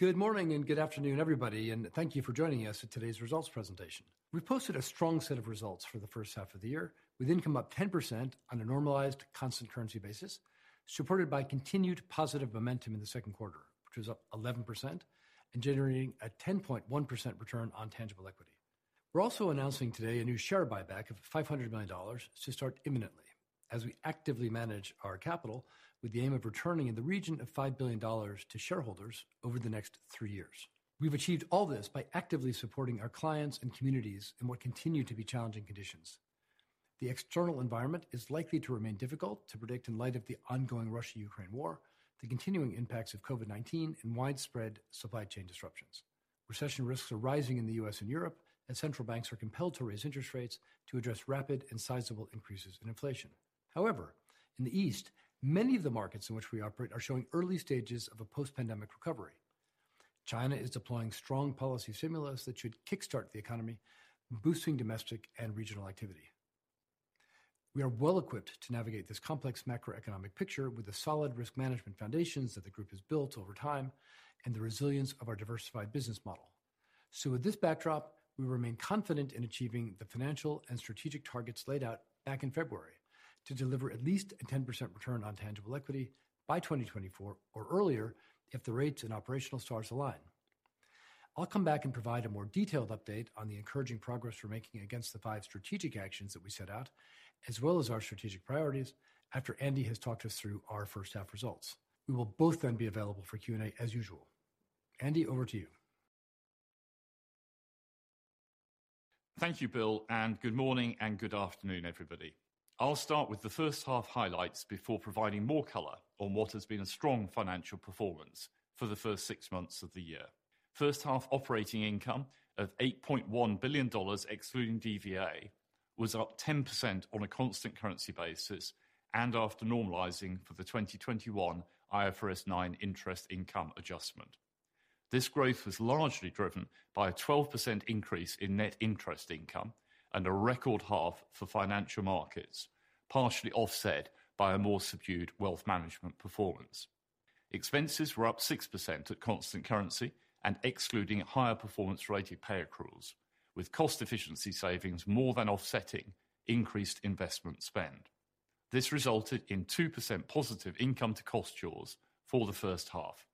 Good morning and good afternoon, everybody, and thank you for joining us at today's results presentation. We posted a strong set of results for the first half of the year, with income up 10% on a normalized constant currency basis, supported by continued positive momentum in the second quarter, which was up 11% and generating a 10.1% return on tangible equity. We're also announcing today a new share buyback of $500 million to start imminently as we actively manage our capital with the aim of returning in the region of $5 billion to shareholders over the next three years. We've achieved all this by actively supporting our clients and communities in what continue to be challenging conditions. The external environment is likely to remain difficult to predict in light of the ongoing Russia-Ukraine war, the continuing impacts of COVID-19, and widespread supply chain disruptions. Recession risks are rising in the U.S. and Europe, and central banks are compelled to raise interest rates to address rapid and sizable increases in inflation. However, in the East, many of the markets in which we operate are showing early stages of a post-pandemic recovery. China is deploying strong policy stimulus that should kickstart the economy, boosting domestic and regional activity. We are well equipped to navigate this complex macroeconomic picture with the solid risk management foundations that the group has built over time and the resilience of our diversified business model. With this backdrop, we remain confident in achieving the financial and strategic targets laid out back in February to deliver at least a 10% return on tangible equity by 2024 or earlier if the rates and operational stars align. I'll come back and provide a more detailed update on the encouraging progress we're making against the five strategic actions that we set out, as well as our strategic priorities after Andy has talked us through our first half results. We will both then be available for Q&A as usual. Andy, over to you. Thank you, Bill, and good morning and good afternoon, everybody. I'll start with the first half highlights before providing more color on what has been a strong financial performance for the first six months of the year. First half operating income of $8.1 billion, excluding DVA, was up 10% on a constant currency basis and after normalizing for the 2021 IFRS 9 interest income adjustment. This growth was largely driven by a 12% increase in net interest income and a record half for financial markets, partially offset by a more subdued wealth management performance. Expenses were up 6% at constant currency and excluding higher performance rated pay accruals, with cost efficiency savings more than offsetting increased investment spend. This resulted in 2% positive income to cost jaws for the first half.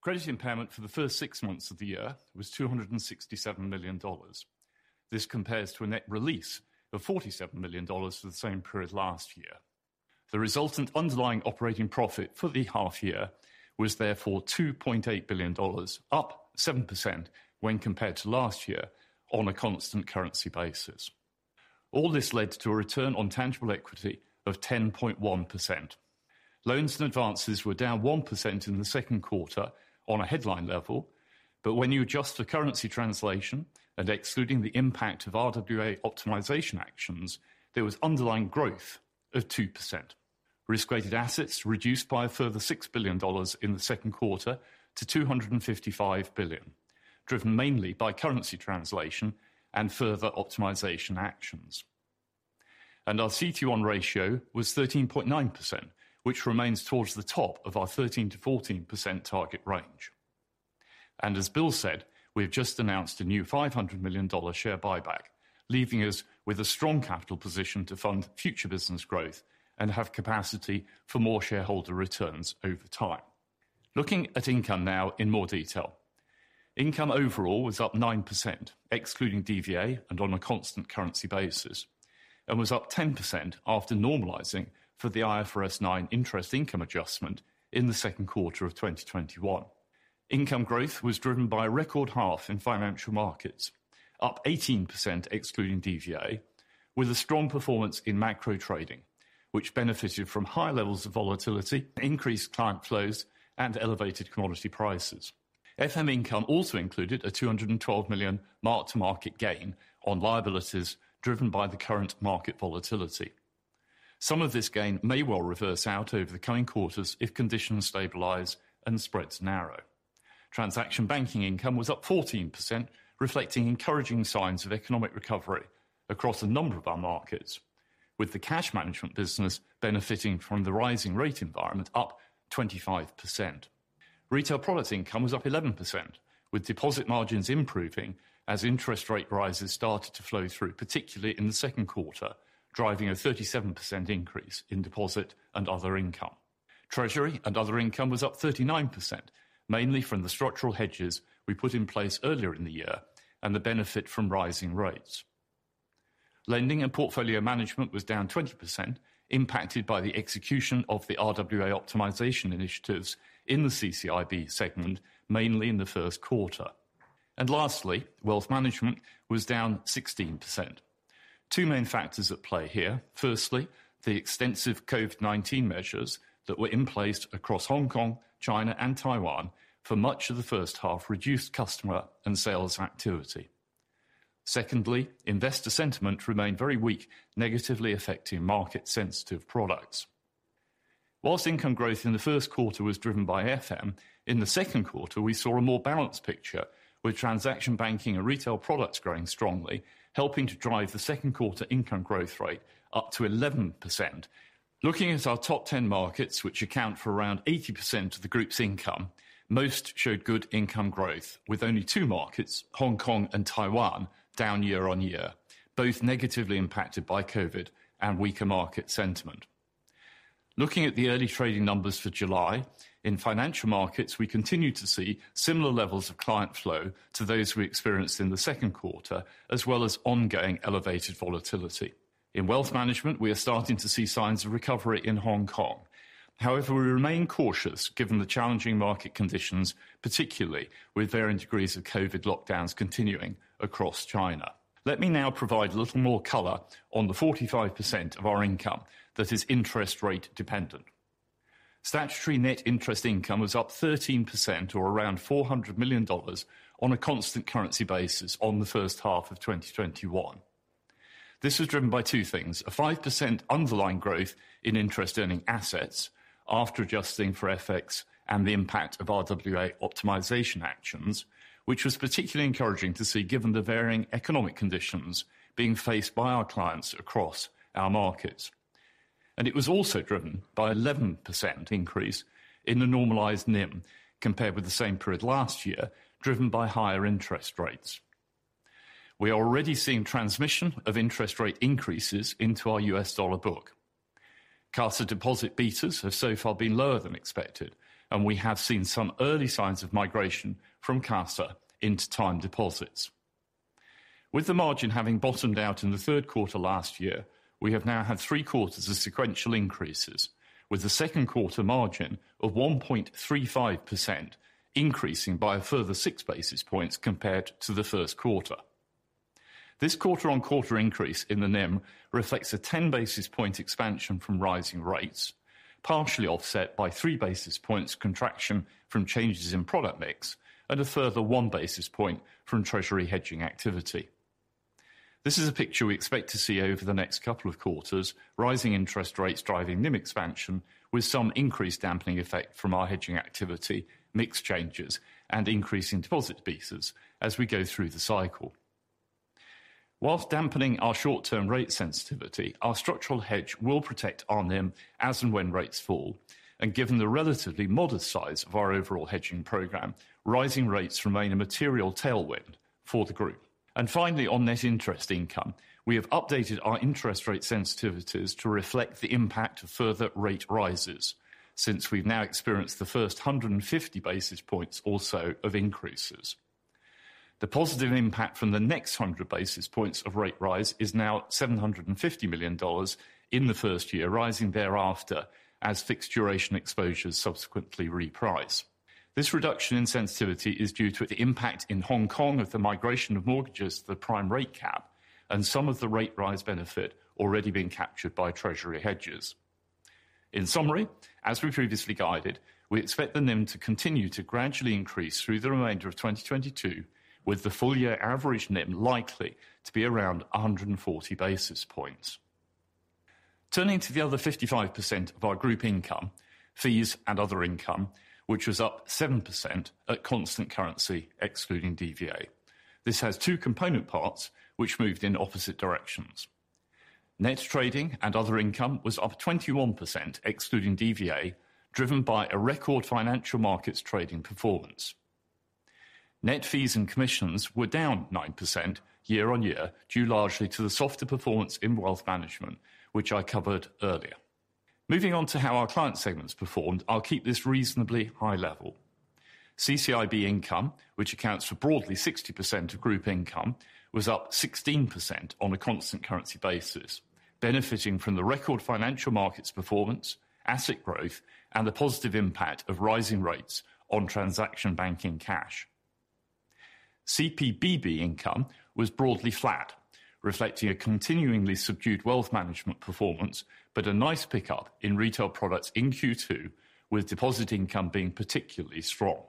Credit impairment for the first six months of the year was $267 million. This compares to a net release of $47 million for the same period last year. The resultant underlying operating profit for the half year was therefore $2.8 billion, up 7% when compared to last year on a constant currency basis. All this led to a return on tangible equity of 10.1%. Loans and advances were down 1% in the second quarter on a headline level. When you adjust for currency translation and excluding the impact of RWA optimization actions, there was underlying growth of 2%. Risk-weighted assets reduced by a further $6 billion in the second quarter to $255 billion, driven mainly by currency translation and further optimization actions. Our CET1 ratio was 13.9%, which remains towards the top of our 13%-14% target range. As Bill said, we have just announced a new $500 million share buyback, leaving us with a strong capital position to fund future business growth and have capacity for more shareholder returns over time. Looking at income now in more detail. Income overall was up 9%, excluding DVA and on a constant currency basis, and was up 10% after normalizing for the IFRS 9 interest income adjustment in the second quarter of 2021. Income growth was driven by a record half in financial markets, up 18% excluding DVA, with a strong performance in macro trading, which benefited from high levels of volatility, increased client flows, and elevated commodity prices. FM income also included a $212 million mark-to-market gain on liabilities driven by the current market volatility. Some of this gain may well reverse out over the coming quarters if conditions stabilize and spreads narrow. Transaction banking income was up 14%, reflecting encouraging signs of economic recovery across a number of our markets, with the cash management business benefiting from the rising rate environment up 25%. Retail products income was up 11%, with deposit margins improving as interest rate rises started to flow through, particularly in the second quarter, driving a 37% increase in deposit and other income. Treasury and other income was up 39%, mainly from the structural hedges we put in place earlier in the year and the benefit from rising rates. Lending and portfolio management was down 20%, impacted by the execution of the RWA optimization initiatives in the CCIB segment, mainly in the first quarter. Lastly, wealth management was down 16%. Two main factors at play here. Firstly, the extensive COVID-19 measures that were in place across Hong Kong, China, and Taiwan for much of the first half reduced customer and sales activity. Secondly, investor sentiment remained very weak, negatively affecting market sensitive products. While income growth in the first quarter was driven by FM, in the second quarter, we saw a more balanced picture with transaction banking and retail products growing strongly, helping to drive the second quarter income growth rate up to 11%. Looking at our top 10 markets, which account for around 80% of the group's income, most showed good income growth, with only two markets, Hong Kong and Taiwan, down year-on-year, both negatively impacted by COVID and weaker market sentiment. Looking at the early trading numbers for July, in financial markets, we continue to see similar levels of client flow to those we experienced in the second quarter, as well as ongoing elevated volatility. In wealth management, we are starting to see signs of recovery in Hong Kong. However, we remain cautious given the challenging market conditions, particularly with varying degrees of COVID lockdowns continuing across China. Let me now provide a little more color on the 45% of our income that is interest rate dependent. Statutory net interest income was up 13% to around $400 million on a constant currency basis in the first half of 2021. This was driven by two things, a 5% underlying growth in interest earning assets after adjusting for FX and the impact of RWA optimization actions, which was particularly encouraging to see given the varying economic conditions being faced by our clients across our markets. It was also driven by 11% increase in the normalized NIM, compared with the same period last year, driven by higher interest rates. We are already seeing transmission of interest rate increases into our U.S. dollar book. CASA deposit betas have so far been lower than expected, and we have seen some early signs of migration from CASA into time deposits. With the margin having bottomed out in the third quarter last year, we have now had three quarters of sequential increases, with the second quarter margin of 1.35% increasing by a further 6 basis points compared to the first quarter. This quarter-on-quarter increase in the NIM reflects a 10 basis point expansion from rising rates, partially offset by 3 basis points contraction from changes in product mix and a further 1 basis point from treasury hedging activity. This is a picture we expect to see over the next couple of quarters, rising interest rates driving NIM expansion with some increased dampening effect from our hedging activity, mix changes, and increase in deposit betas as we go through the cycle. While dampening our short-term rate sensitivity, our structural hedge will protect our NIM as and when rates fall. Given the relatively modest size of our overall hedging program, rising rates remain a material tailwind for the group. Finally, on net interest income, we have updated our interest rate sensitivities to reflect the impact of further rate rises since we've now experienced the first 150 basis points also of increases. The positive impact from the next 100 basis points of rate rise is now $750 million in the first year, rising thereafter as fixed duration exposures subsequently reprice. This reduction in sensitivity is due to the impact in Hong Kong of the migration of mortgages to the prime rate cap and some of the rate rise benefit already being captured by treasury hedges. In summary, as we previously guided, we expect the NIM to continue to gradually increase through the remainder of 2022, with the full year average NIM likely to be around 140 basis points. Turning to the other 55% of our group income, fees and other income, which was up 7% at constant currency excluding DVA. This has two component parts which moved in opposite directions. Net trading and other income was up 21% excluding DVA, driven by a record financial markets trading performance. Net fees and commissions were down 9% year-on-year, due largely to the softer performance in wealth management, which I covered earlier. Moving on to how our client segments performed, I'll keep this reasonably high level. CCIB income, which accounts for broadly 60% of group income, was up 16% on a constant currency basis, benefiting from the record financial markets performance, asset growth, and the positive impact of rising rates on transaction banking cash. CPBB income was broadly flat, reflecting a continuingly subdued wealth management performance, but a nice pickup in retail products in Q2, with deposit income being particularly strong.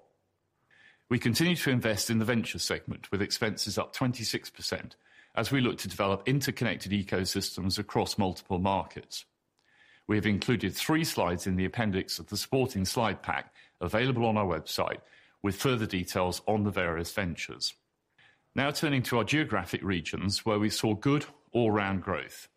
We continue to invest in the venture segment with expenses up 26% as we look to develop interconnected ecosystems across multiple markets. We have included three slides in the appendix of the supporting slide pack available on our website with further details on the various ventures. Now turning to our geographic regions where we saw good all around growth.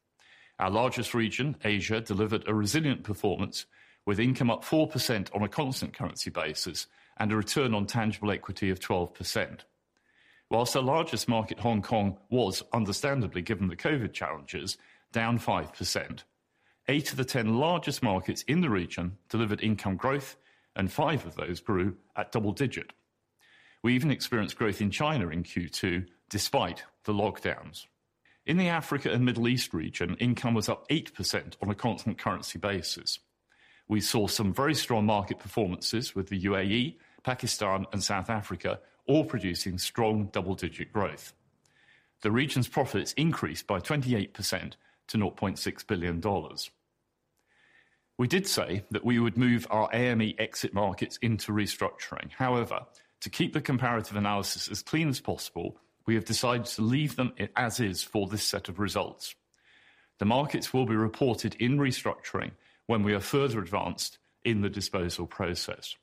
Our largest region, Asia, delivered a resilient performance with income up 4% on a constant currency basis and a return on tangible equity of 12%. While our largest market, Hong Kong, was understandably, given the COVID challenges, down 5%. Eight of the 10 largest markets in the region delivered income growth and five of those grew at double-digit. We even experienced growth in China in Q2 despite the lockdowns. In the Africa and Middle East region, income was up 8% on a constant currency basis. We saw some very strong market performances with the UAE, Pakistan, and South Africa all producing strong double-digit growth. The region's profits increased by 28% to $0.6 billion. We did say that we would move our AME exit markets into restructuring. However, to keep the comparative analysis as clean as possible, we have decided to leave them as is for this set of results. The markets will be reported in restructuring when we are further advanced in the disposal process.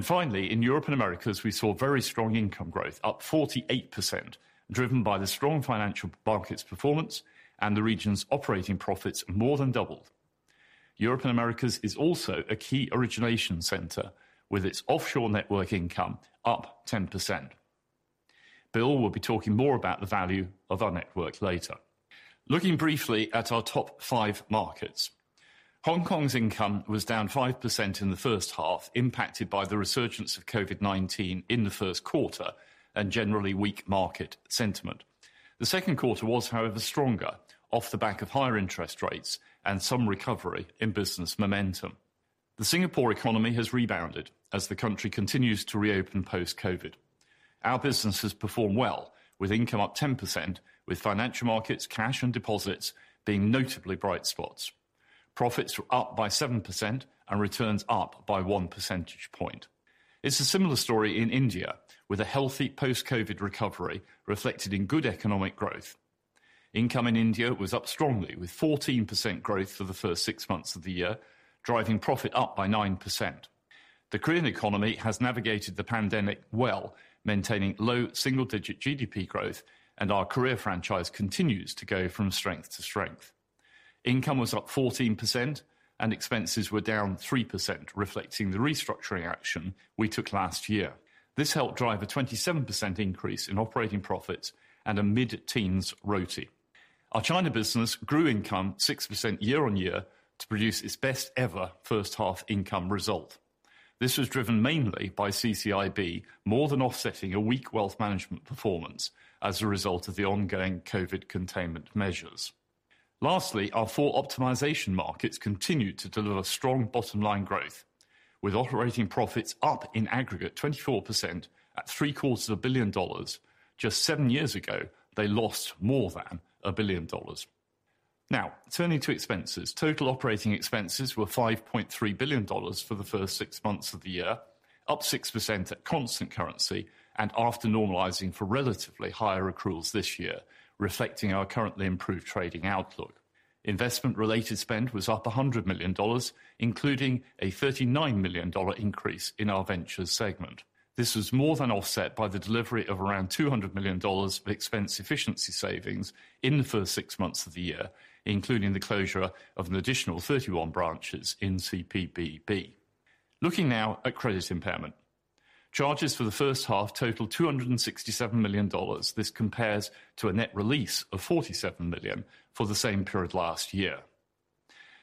Finally, in Europe and Americas, we saw very strong income growth, up 48%, driven by the strong financial markets performance and the region's operating profits more than doubled. Europe and Americas is also a key origination center with its offshore network income up 10%. Bill will be talking more about the value of our network later. Looking briefly at our top five markets. Hong Kong's income was down 5% in the first half, impacted by the resurgence of COVID-19 in the first quarter and generally weak market sentiment. The second quarter was, however, stronger off the back of higher interest rates and some recovery in business momentum. The Singapore economy has rebounded as the country continues to reopen post-COVID. Our business has performed well with income up 10%, with financial markets, cash and deposits being notably bright spots. Profits were up by 7% and returns up by one percentage point. It's a similar story in India, with a healthy post-COVID recovery reflected in good economic growth. Income in India was up strongly, with 14% growth for the first six months of the year, driving profit up by 9%. The Korean economy has navigated the pandemic well, maintaining low single-digit GDP growth, and our Korea franchise continues to go from strength to strength. Income was up 14% and expenses were down 3%, reflecting the restructuring action we took last year. This helped drive a 27% increase in operating profits and a mid-teens ROTI. Our China business grew income 6% year-on-year to produce its best ever first half income result. This was driven mainly by CCIB, more than offsetting a weak wealth management performance as a result of the ongoing COVID containment measures. Lastly, our four optimization markets continued to deliver strong bottom line growth, with operating profits up in aggregate 24% at three quarters of a billion dollars. Just seven years ago, they lost more than $1 billion. Now, turning to expenses. Total operating expenses were $5.3 billion for the first six months of the year, up 6% at constant currency and after normalizing for relatively higher accruals this year, reflecting our currently improved trading outlook. Investment related spend was up $100 million, including a $39 million increase in our ventures segment. This was more than offset by the delivery of around $200 million of expense efficiency savings in the first six months of the year, including the closure of an additional 31 branches in CPBB. Looking now at credit impairment. Charges for the first half totaled $267 million. This compares to a net release of $47 million for the same period last year.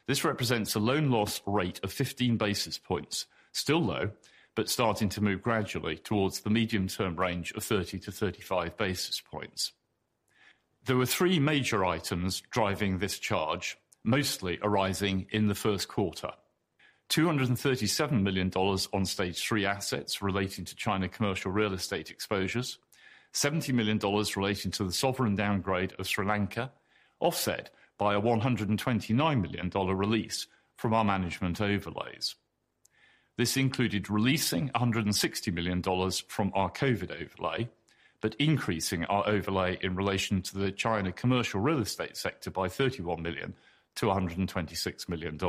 This represents a loan loss rate of 15 basis points, still low, but starting to move gradually towards the medium-term range of 30-35 basis points. There were three major items driving this charge, mostly arising in the first quarter. $237 million on stage three assets relating to China commercial real estate exposures. $70 million relating to the sovereign downgrade of Sri Lanka, offset by a $129 million release from our management overlays. This included releasing $160 million from our COVID overlay, but increasing our overlay in relation to the China commercial real estate sector by $31 million-$126 million.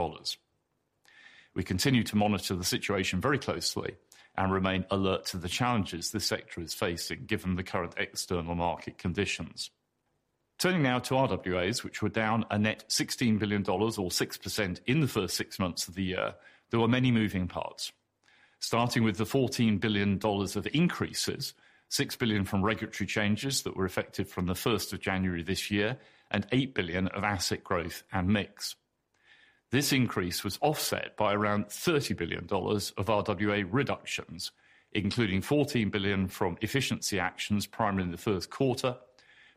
We continue to monitor the situation very closely and remain alert to the challenges this sector is facing given the current external market conditions. Turning now to RWAs, which were down a net $16 billion or 6% in the first six months of the year, there were many moving parts. Starting with the $14 billion of increases, $6 billion from regulatory changes that were effective from the first of January this year, and $8 billion of asset growth and mix. This increase was offset by around $30 billion of RWA reductions, including $14 billion from efficiency actions, primarily in the first quarter,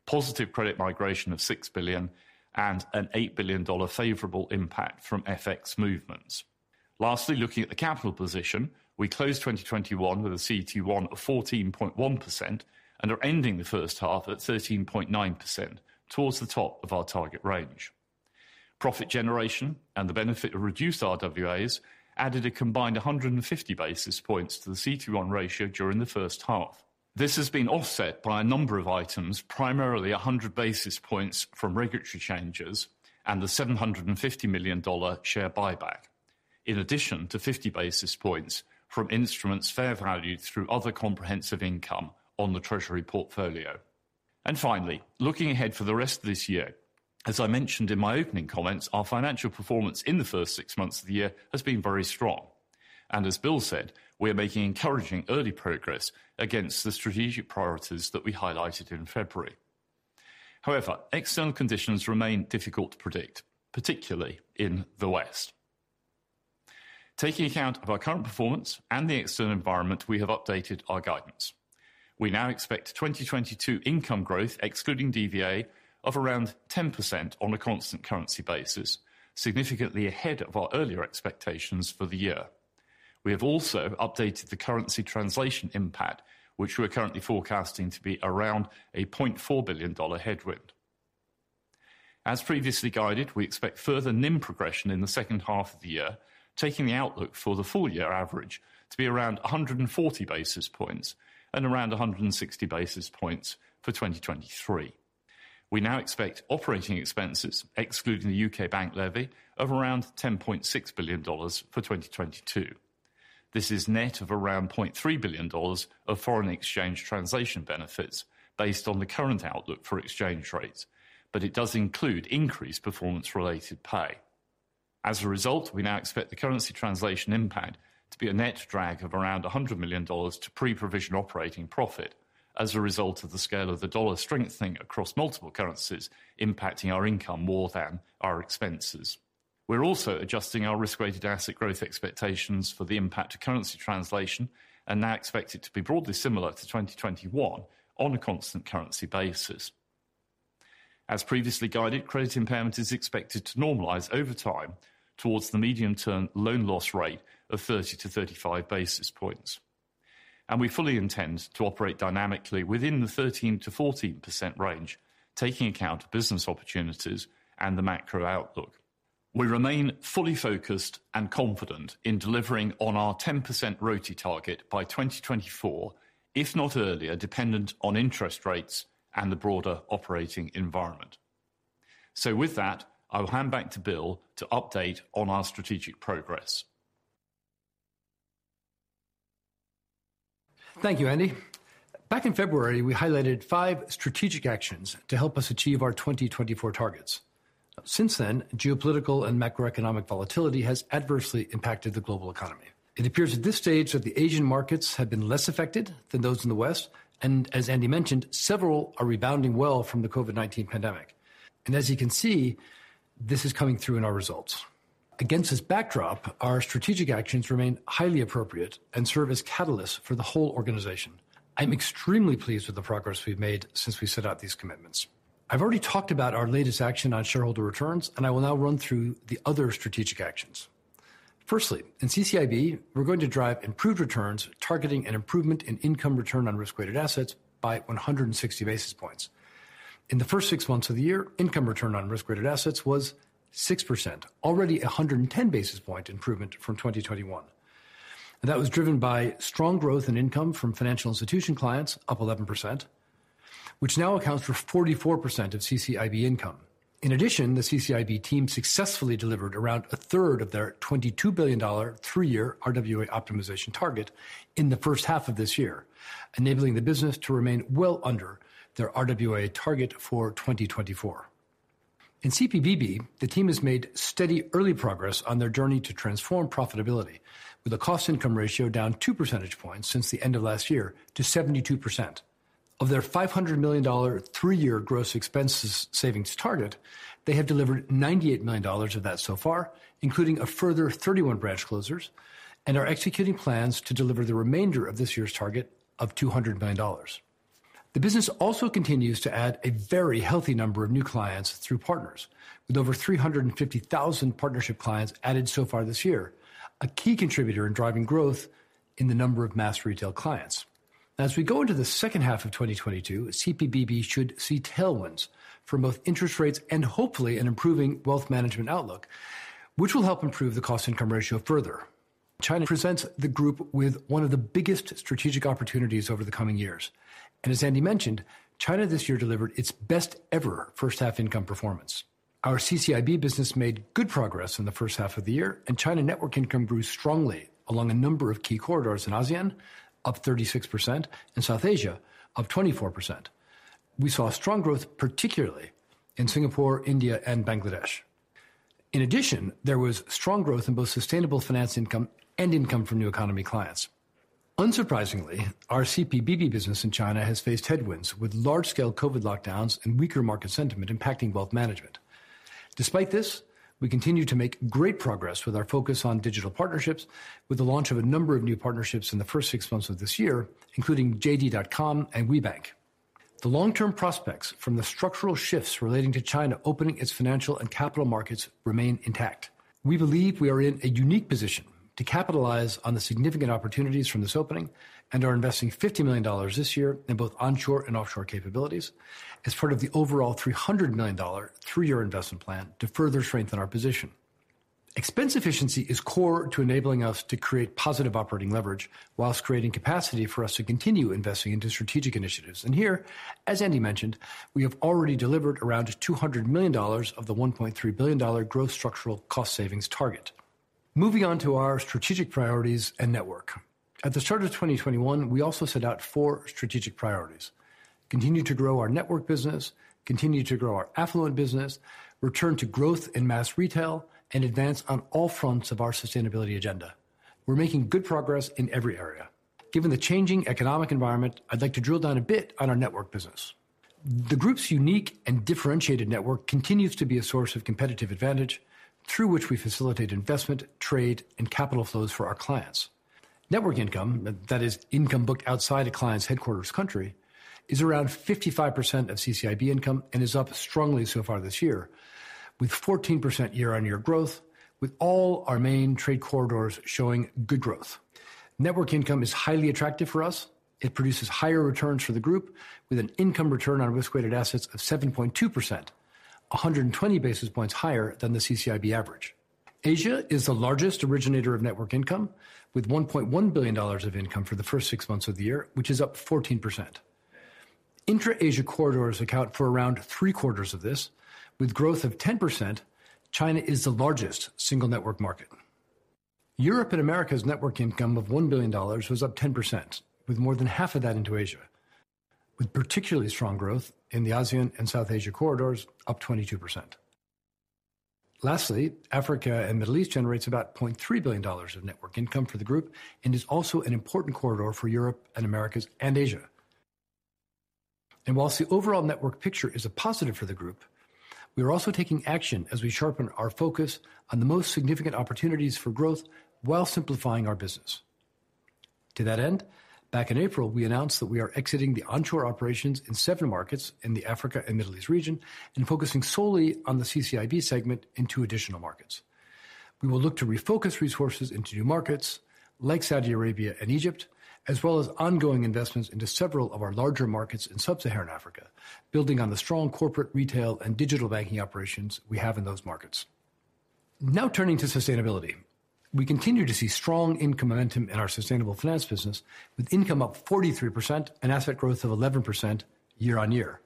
positive credit migration of $6 billion, and an $8 billion favorable impact from FX movements. Lastly, looking at the capital position, we closed 2021 with a CET1 of 14.1% and are ending the first half at 13.9% towards the top of our target range. Profit generation and the benefit of reduced RWAs added a combined 150 basis points to the CET1 ratio during the first half. This has been offset by a number of items, primarily 100 basis points from regulatory changes and the $750 million share buyback, in addition to 50 basis points from instruments fair value through other comprehensive income on the treasury portfolio. Finally, looking ahead for the rest of this year, as I mentioned in my opening comments, our financial performance in the first six months of the year has been very strong. As Bill said, we are making encouraging early progress against the strategic priorities that we highlighted in February. However, external conditions remain difficult to predict, particularly in the West. Taking account of our current performance and the external environment, we have updated our guidance. We now expect 2022 income growth, excluding DVA, of around 10% on a constant currency basis, significantly ahead of our earlier expectations for the year. We have also updated the currency translation impact, which we're currently forecasting to be around a $0.4 billion headwind. As previously guided, we expect further NIM progression in the second half of the year, taking the outlook for the full year average to be around 140 basis points and around 160 basis points for 2023. We now expect operating expenses, excluding the U.K. bank levy, of around $10.6 billion for 2022. This is net of around $0.3 billion of foreign exchange translation benefits based on the current outlook for exchange rates. It does include increased performance-related pay. As a result, we now expect the currency translation impact to be a net drag of around $100 million to pre-provision operating profit as a result of the scale of the dollar strengthening across multiple currencies impacting our income more than our expenses. We're also adjusting our risk-weighted asset growth expectations for the impact of currency translation and now expect it to be broadly similar to 2021 on a constant currency basis. As previously guided, credit impairment is expected to normalize over time towards the medium-term loan loss rate of 30-35 basis points. We fully intend to operate dynamically within the 13%-14% range, taking account of business opportunities and the macro outlook. We remain fully focused and confident in delivering on our 10% ROTCE target by 2024, if not earlier, dependent on interest rates and the broader operating environment. With that, I will hand back to Bill to update on our strategic progress. Thank you, Andy. Back in February, we highlighted five strategic actions to help us achieve our 2024 targets. Since then, geopolitical and macroeconomic volatility has adversely impacted the global economy. It appears at this stage that the Asian markets have been less affected than those in the West, and as Andy mentioned, several are rebounding well from the COVID-19 pandemic. As you can see, this is coming through in our results. Against this backdrop, our strategic actions remain highly appropriate and serve as catalysts for the whole organization. I'm extremely pleased with the progress we've made since we set out these commitments. I've already talked about our latest action on shareholder returns, and I will now run through the other strategic actions. Firstly, in CCIB, we're going to drive improved returns, targeting an improvement in income return on risk-weighted assets by 160 basis points. In the first six months of the year, income return on risk-weighted assets was 6%, already a 110 basis point improvement from 2021. That was driven by strong growth in income from financial institution clients, up 11%, which now accounts for 44% of CCIB income. In addition, the CCIB team successfully delivered around a third of their $22 billion three year RWA optimization target in the first half of this year, enabling the business to remain well under their RWA target for 2024. In CPBB, the team has made steady early progress on their journey to transform profitability, with a cost income ratio down two percentage points since the end of last year to 72%. Of their $500 million three year gross expenses savings target, they have delivered $98 million of that so far, including a further 31 branch closures, and are executing plans to deliver the remainder of this year's target of $200 million. The business also continues to add a very healthy number of new clients through partners, with over 350,000 partnership clients added so far this year, a key contributor in driving growth in the number of mass retail clients. As we go into the second half of 2022, CPBB should see tailwinds for both interest rates and hopefully an improving wealth management outlook, which will help improve the cost income ratio further. China presents the group with one of the biggest strategic opportunities over the coming years. As Andy mentioned, China this year delivered its best ever first half income performance. Our CCIB business made good progress in the first half of the year, and China network income grew strongly along a number of key corridors in ASEAN, up 36%, and South Asia, up 24%. We saw strong growth, particularly in Singapore, India, and Bangladesh. In addition, there was strong growth in both sustainable finance income and income from new economy clients. Unsurprisingly, our CPBB business in China has faced headwinds with large-scale COVID-19 lockdowns and weaker market sentiment impacting wealth management. Despite this, we continue to make great progress with our focus on digital partnerships with the launch of a number of new partnerships in the first six months of this year, including JD.com and WeBank. The long-term prospects from the structural shifts relating to China opening its financial and capital markets remain intact. We believe we are in a unique position to capitalize on the significant opportunities from this opening and are investing $50 million this year in both onshore and offshore capabilities as part of the overall $300 million three year investment plan to further strengthen our position. Expense efficiency is core to enabling us to create positive operating leverage while creating capacity for us to continue investing into strategic initiatives. Here, as Andy mentioned, we have already delivered around $200 million of the $1.3 billion growth structural cost savings target. Moving on to our strategic priorities and network. At the start of 2021, we also set out four strategic priorities, continue to grow our network business, continue to grow our affluent business, return to growth in mass retail, and advance on all fronts of our sustainability agenda. We're making good progress in every area. Given the changing economic environment, I'd like to drill down a bit on our network business. The group's unique and differentiated network continues to be a source of competitive advantage through which we facilitate investment, trade, and capital flows for our clients. Network income, that is income booked outside a client's headquarters country, is around 55% of CCIB income and is up strongly so far this year, with 14% year-on-year growth, with all our main trade corridors showing good growth. Network income is highly attractive for us. It produces higher returns for the group with an income return on risk-weighted assets of 7.2%, 120 basis points higher than the CCIB average. Asia is the largest originator of network income, with $1.1 billion of income for the first six months of the year, which is up 14%. Intra-Asia corridors account for around three quarters of this. With growth of 10%, China is the largest single network market. Europe and Americas' network income of $1 billion was up 10%, with more than half of that into Asia, with particularly strong growth in the ASEAN and South Asia corridors, up 22%. Lastly, Africa and Middle East generate about $0.3 billion of network income for the group and is also an important corridor for Europe and Americas and Asia. While the overall network picture is a positive for the group, we are also taking action as we sharpen our focus on the most significant opportunities for growth while simplifying our business. To that end, back in April, we announced that we are exiting the onshore operations in seven markets in the Africa and Middle East region and focusing solely on the CCIB segment in two additional markets. We will look to refocus resources into new markets like Saudi Arabia and Egypt, as well as ongoing investments into several of our larger markets in sub-Saharan Africa, building on the strong corporate, retail, and digital banking operations we have in those markets. Now turning to sustainability. We continue to see strong income momentum in our sustainable finance business, with income up 43% and asset growth of 11% year-on-year.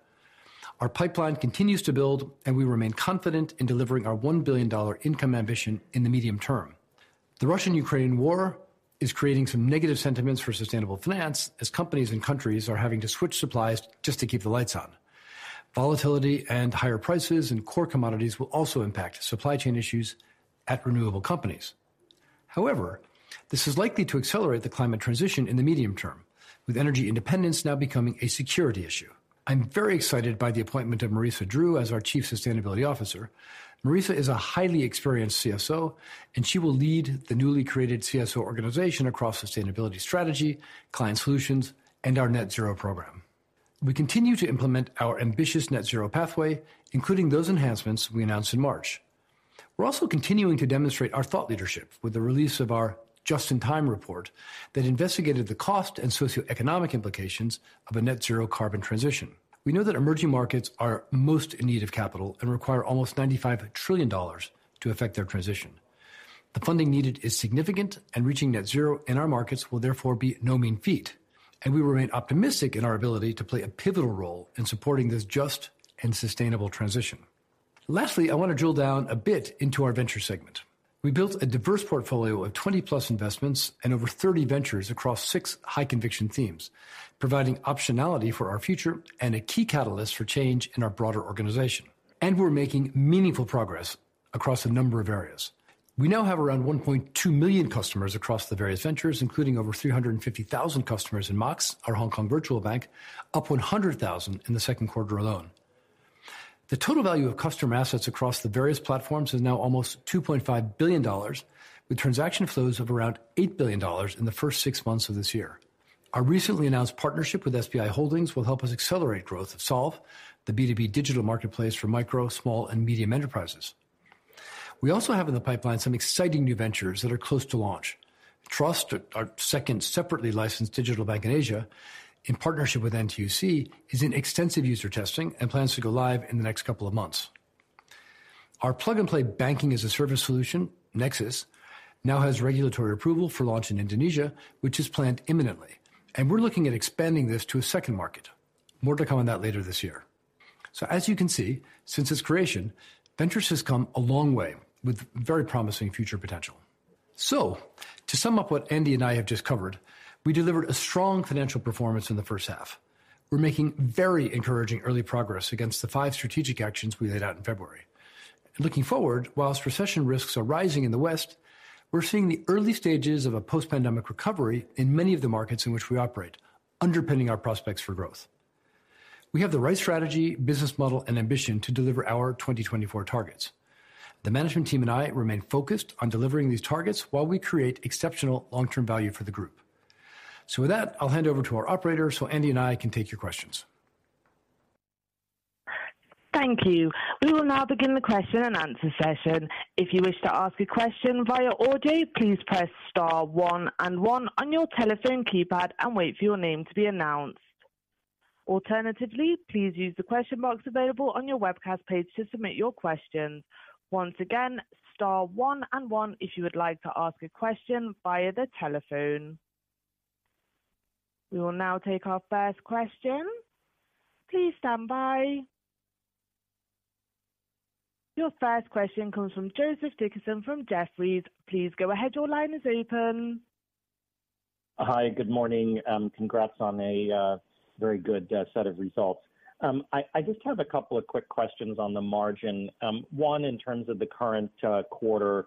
Our pipeline continues to build, and we remain confident in delivering our $1 billion income ambition in the medium term. The Russian-Ukraine war is creating some negative sentiments for sustainable finance, as companies and countries are having to switch supplies just to keep the lights on. Volatility and higher prices and core commodities will also impact supply chain issues at renewable companies. However, this is likely to accelerate the climate transition in the medium term, with energy independence now becoming a security issue. I'm very excited by the appointment of Marisa Drew as our Chief Sustainability Officer. Marisa is a highly experienced CSO, and she will lead the newly created CSO organization across sustainability strategy, client solutions, and our net zero program. We continue to implement our ambitious net zero pathway, including those enhancements we announced in March. We're also continuing to demonstrate our thought leadership with the release of our Just in Time report that investigated the cost and socioeconomic implications of a net zero carbon transition. We know that emerging markets are most in need of capital and require almost $95 trillion to affect their transition. The funding needed is significant, and reaching net zero in our markets will therefore be no mean feat. We remain optimistic in our ability to play a pivotal role in supporting this just and sustainable transition. Lastly, I want to drill down a bit into our ventures segment. We built a diverse portfolio of 20+ investments and over 30 ventures across six high conviction themes, providing optionality for our future and a key catalyst for change in our broader organization. We're making meaningful progress across a number of areas. We now have around 1.2 million customers across the various ventures, including over 350,000 customers in Mox, our Hong Kong virtual bank, up 100,000 in the second quarter alone. The total value of customer assets across the various platforms is now almost $2.5 billion, with transaction flows of around $8 billion in the first six months of this year. Our recently announced partnership with SBI Holdings will help us accelerate growth of Solv, the B2B digital marketplace for micro, small, and medium enterprises. We also have in the pipeline some exciting new ventures that are close to launch. Trust Bank, our second separately licensed digital bank in Asia, in partnership with NTUC, is in extensive user testing and plans to go live in the next couple of months. Our plug-and-play banking-as-a-service solution, Nexus, now has regulatory approval for launch in Indonesia, which is planned imminently, and we're looking at expanding this to a second market. More to come on that later this year. As you can see, since its creation, Ventures has come a long way with very promising future potential. To sum up what Andy and I have just covered, we delivered a strong financial performance in the first half. We're making very encouraging early progress against the five strategic actions we laid out in February. Looking forward, while recession risks are rising in the West, we're seeing the early stages of a post-pandemic recovery in many of the markets in which we operate, underpinning our prospects for growth. We have the right strategy, business model, and ambition to deliver our 2024 targets. The management team and I remain focused on delivering these targets while we create exceptional long-term value for the group. With that, I'll hand over to our operator so Andy and I can take your questions. Thank you. We will now begin the question-and-answer session. If you wish to ask a question via audio, please press star one and one on your telephone keypad and wait for your name to be announced. Alternatively, please use the question box available on your webcast page to submit your questions. Once again, star one and one if you would like to ask a question via the telephone. We will now take our first question. Please stand by. Your first question comes from Joseph Dickerson from Jefferies. Please go ahead. Your line is open. Hi, good morning. Congrats on a very good set of results. I just have a couple of quick questions on the margin. One, in terms of the current quarter,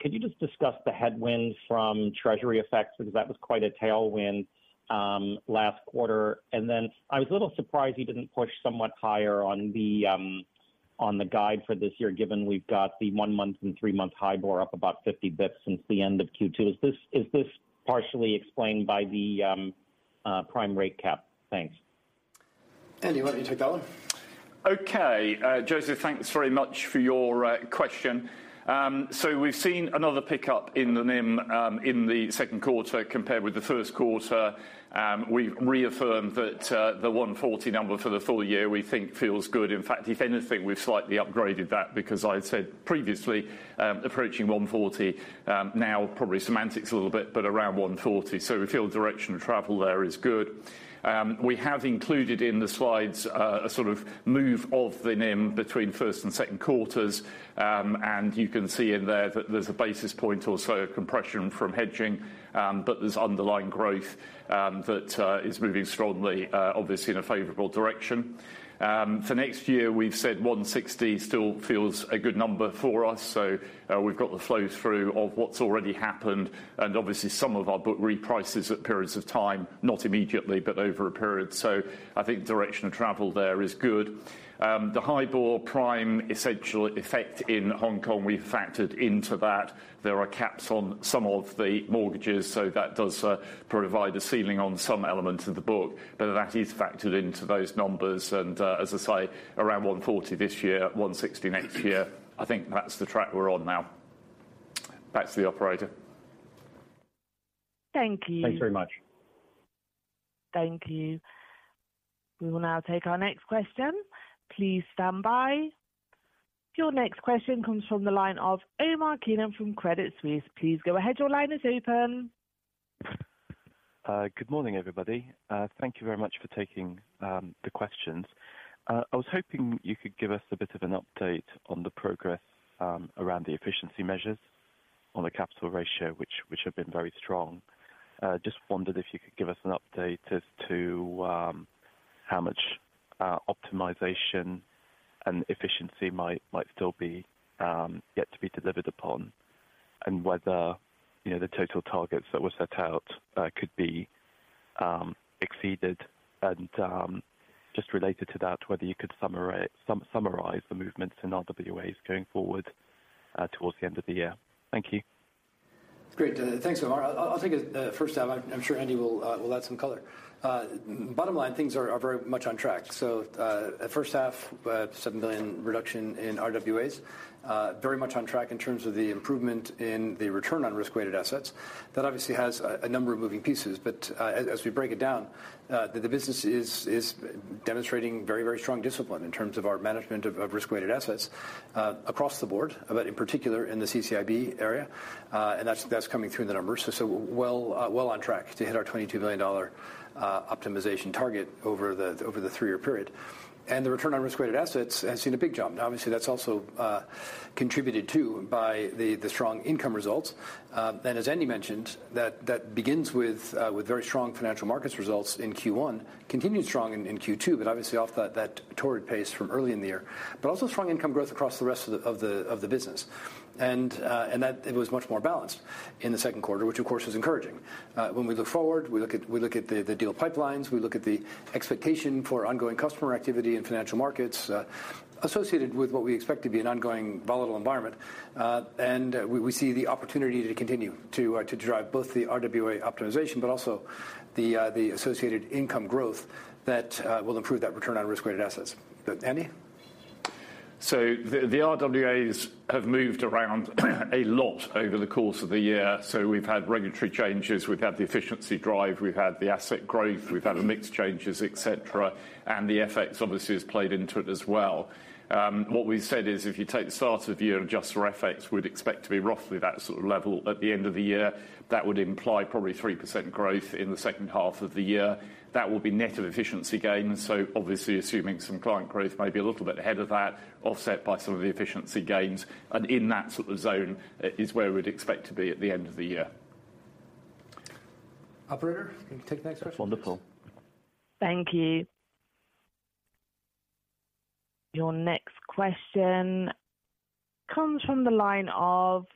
could you just discuss the headwinds from Treasury effects, because that was quite a tailwind last quarter? I was a little surprised you didn't push somewhat higher on the guide for this year, given we've got the one-month and three month HIBOR up about 50 basis points since the end of Q2. Is this partially explained by the prime rate cap? Thanks. Andy, why don't you take that one? Okay. Joseph, thanks very much for your question. We've seen another pickup in the NIM in the second quarter compared with the first quarter. We've reaffirmed that the 140 number for the full year we think feels good. In fact, if anything, we've slightly upgraded that because I'd said previously approaching 140, now probably semantics a little bit, but around 140. We feel direction of travel there is good. We have included in the slides a sort of move of the NIM between first and second quarters. You can see in there that there's a basis point or so compression from hedging, but there's underlying growth that is moving strongly, obviously in a favorable direction. For next year, we've said 1.60 still feels a good number for us. We've got the flow through of what's already happened and obviously some of our book reprices at periods of time, not immediately, but over a period. I think direction of travel there is good. The HIBOR-prime cap effect in Hong Kong, we factored into that. There are caps on some of the mortgages, so that does provide a ceiling on some elements of the book. But that is factored into those numbers, and as I say, around 1.40 this year, 1.60 next year. I think that's the track we're on now. Back to the operator. Thank you. Thanks very much. Thank you. We will now take our next question. Please stand by. Your next question comes from the line of Omar Keenan from Credit Suisse. Please go ahead. Your line is open. Good morning, everybody. Thank you very much for taking the questions. I was hoping you could give us a bit of an update on the progress around the efficiency measures on the capital ratio, which have been very strong. Just wondered if you could give us an update as to how much optimization and efficiency might still be yet to be delivered upon and whether, you know, the total targets that were set out could be exceeded. Just related to that, whether you could summarize the movements in RWAs going forward towards the end of the year. Thank you. Great. Thanks, Omar. I'll take it the first time. I'm sure Andy will add some color. Bottom line, things are very much on track. In the first half, $7 billion reduction in RWAs, very much on track in terms of the improvement in the return on risk-weighted assets. That obviously has a number of moving pieces. As we break it down, the business is demonstrating very strong discipline in terms of our management of risk-weighted assets across the board, but in particular in the CCIB area. That's coming through in the numbers. Well on track to hit our $22 billion optimization target over the three year period. The return on risk-weighted assets has seen a big jump. Now obviously that's also contributed to by the strong income results. As Andy mentioned, that begins with very strong financial markets results in Q1, continued strong in Q2, but obviously off that torrid pace from early in the year. Also strong income growth across the rest of the business. That it was much more balanced in the second quarter, which of course is encouraging. When we look forward, we look at the deal pipelines, we look at the expectation for ongoing customer activity in financial markets, associated with what we expect to be an ongoing volatile environment. We see the opportunity to continue to drive both the RWA optimization, but also the associated income growth that will improve that return on risk-weighted assets. Andy. The RWAs have moved around a lot over the course of the year. We've had regulatory changes, we've had the efficiency drive, we've had the asset growth, we've had a mix changes, etc., and the FX obviously has played into it as well. What we've said is if you take the start of the year and adjust for FX, we'd expect to be roughly that sort of level at the end of the year. That would imply probably 3% growth in the second half of the year. That will be net of efficiency gains. Obviously assuming some client growth may be a little bit ahead of that, offset by some of the efficiency gains, and in that sort of zone is where we'd expect to be at the end of the year. Operator, can you take the next question, please? That's wonderful. Thank you. Your next question comes from the line of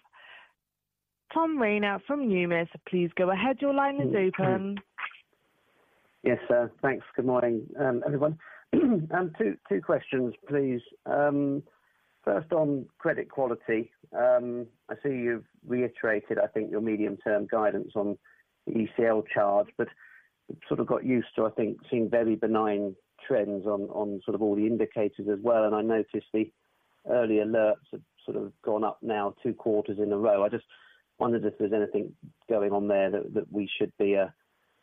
Tom Rayner from Numis. Please go ahead. Your line is open. Yes, thanks. Good morning, everyone. Two questions, please. First on credit quality. I see you've reiterated, I think, your medium-term guidance on the ECL charge, but sort of got used to, I think, seeing very benign trends on sort of all the indicators as well. I noticed the early alerts have sort of gone up now two quarters in a row. I just wondered if there's anything going on there that we should be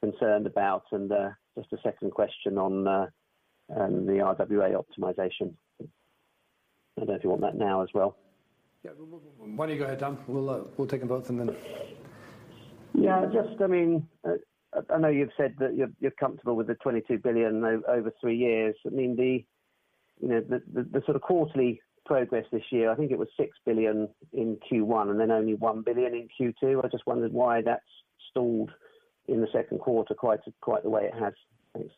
concerned about. Just a second question on the RWA optimization. I don't know if you want that now as well. Yeah. Why don't you go ahead, Tom? We'll take them both and then. Yeah, just, I mean, I know you've said that you're comfortable with the $22 billion over three years. I mean, you know, the sort of quarterly progress this year, I think it was $6 billion in Q1 and then only $1 billion in Q2. I just wondered why that's stalled in the second quarter quite the way it has. Thanks.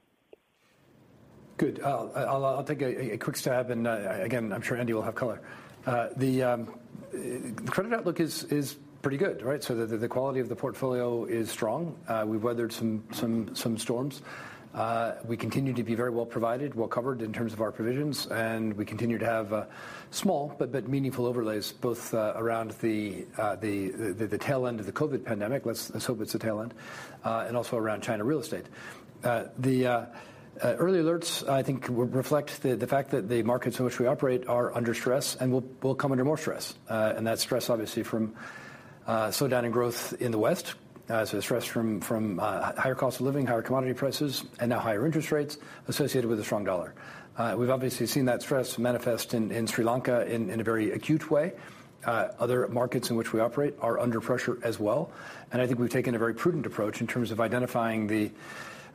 Good. I'll take a quick stab, and again, I'm sure Andy will have color. The credit outlook is pretty good, right? The quality of the portfolio is strong. We've weathered some storms. We continue to be very well provided, well covered in terms of our provisions, and we continue to have small but meaningful overlays both around the tail end of the COVID pandemic. Let's hope it's the tail end. Also around China real estate. The early alerts I think reflect the fact that the markets in which we operate are under stress and will come under more stress. That stress obviously from slowdown in growth in the West, as a stress from higher cost of living, higher commodity prices, and now higher interest rates associated with the strong dollar. We've obviously seen that stress manifest in Sri Lanka in a very acute way. Other markets in which we operate are under pressure as well. I think we've taken a very prudent approach in terms of identifying the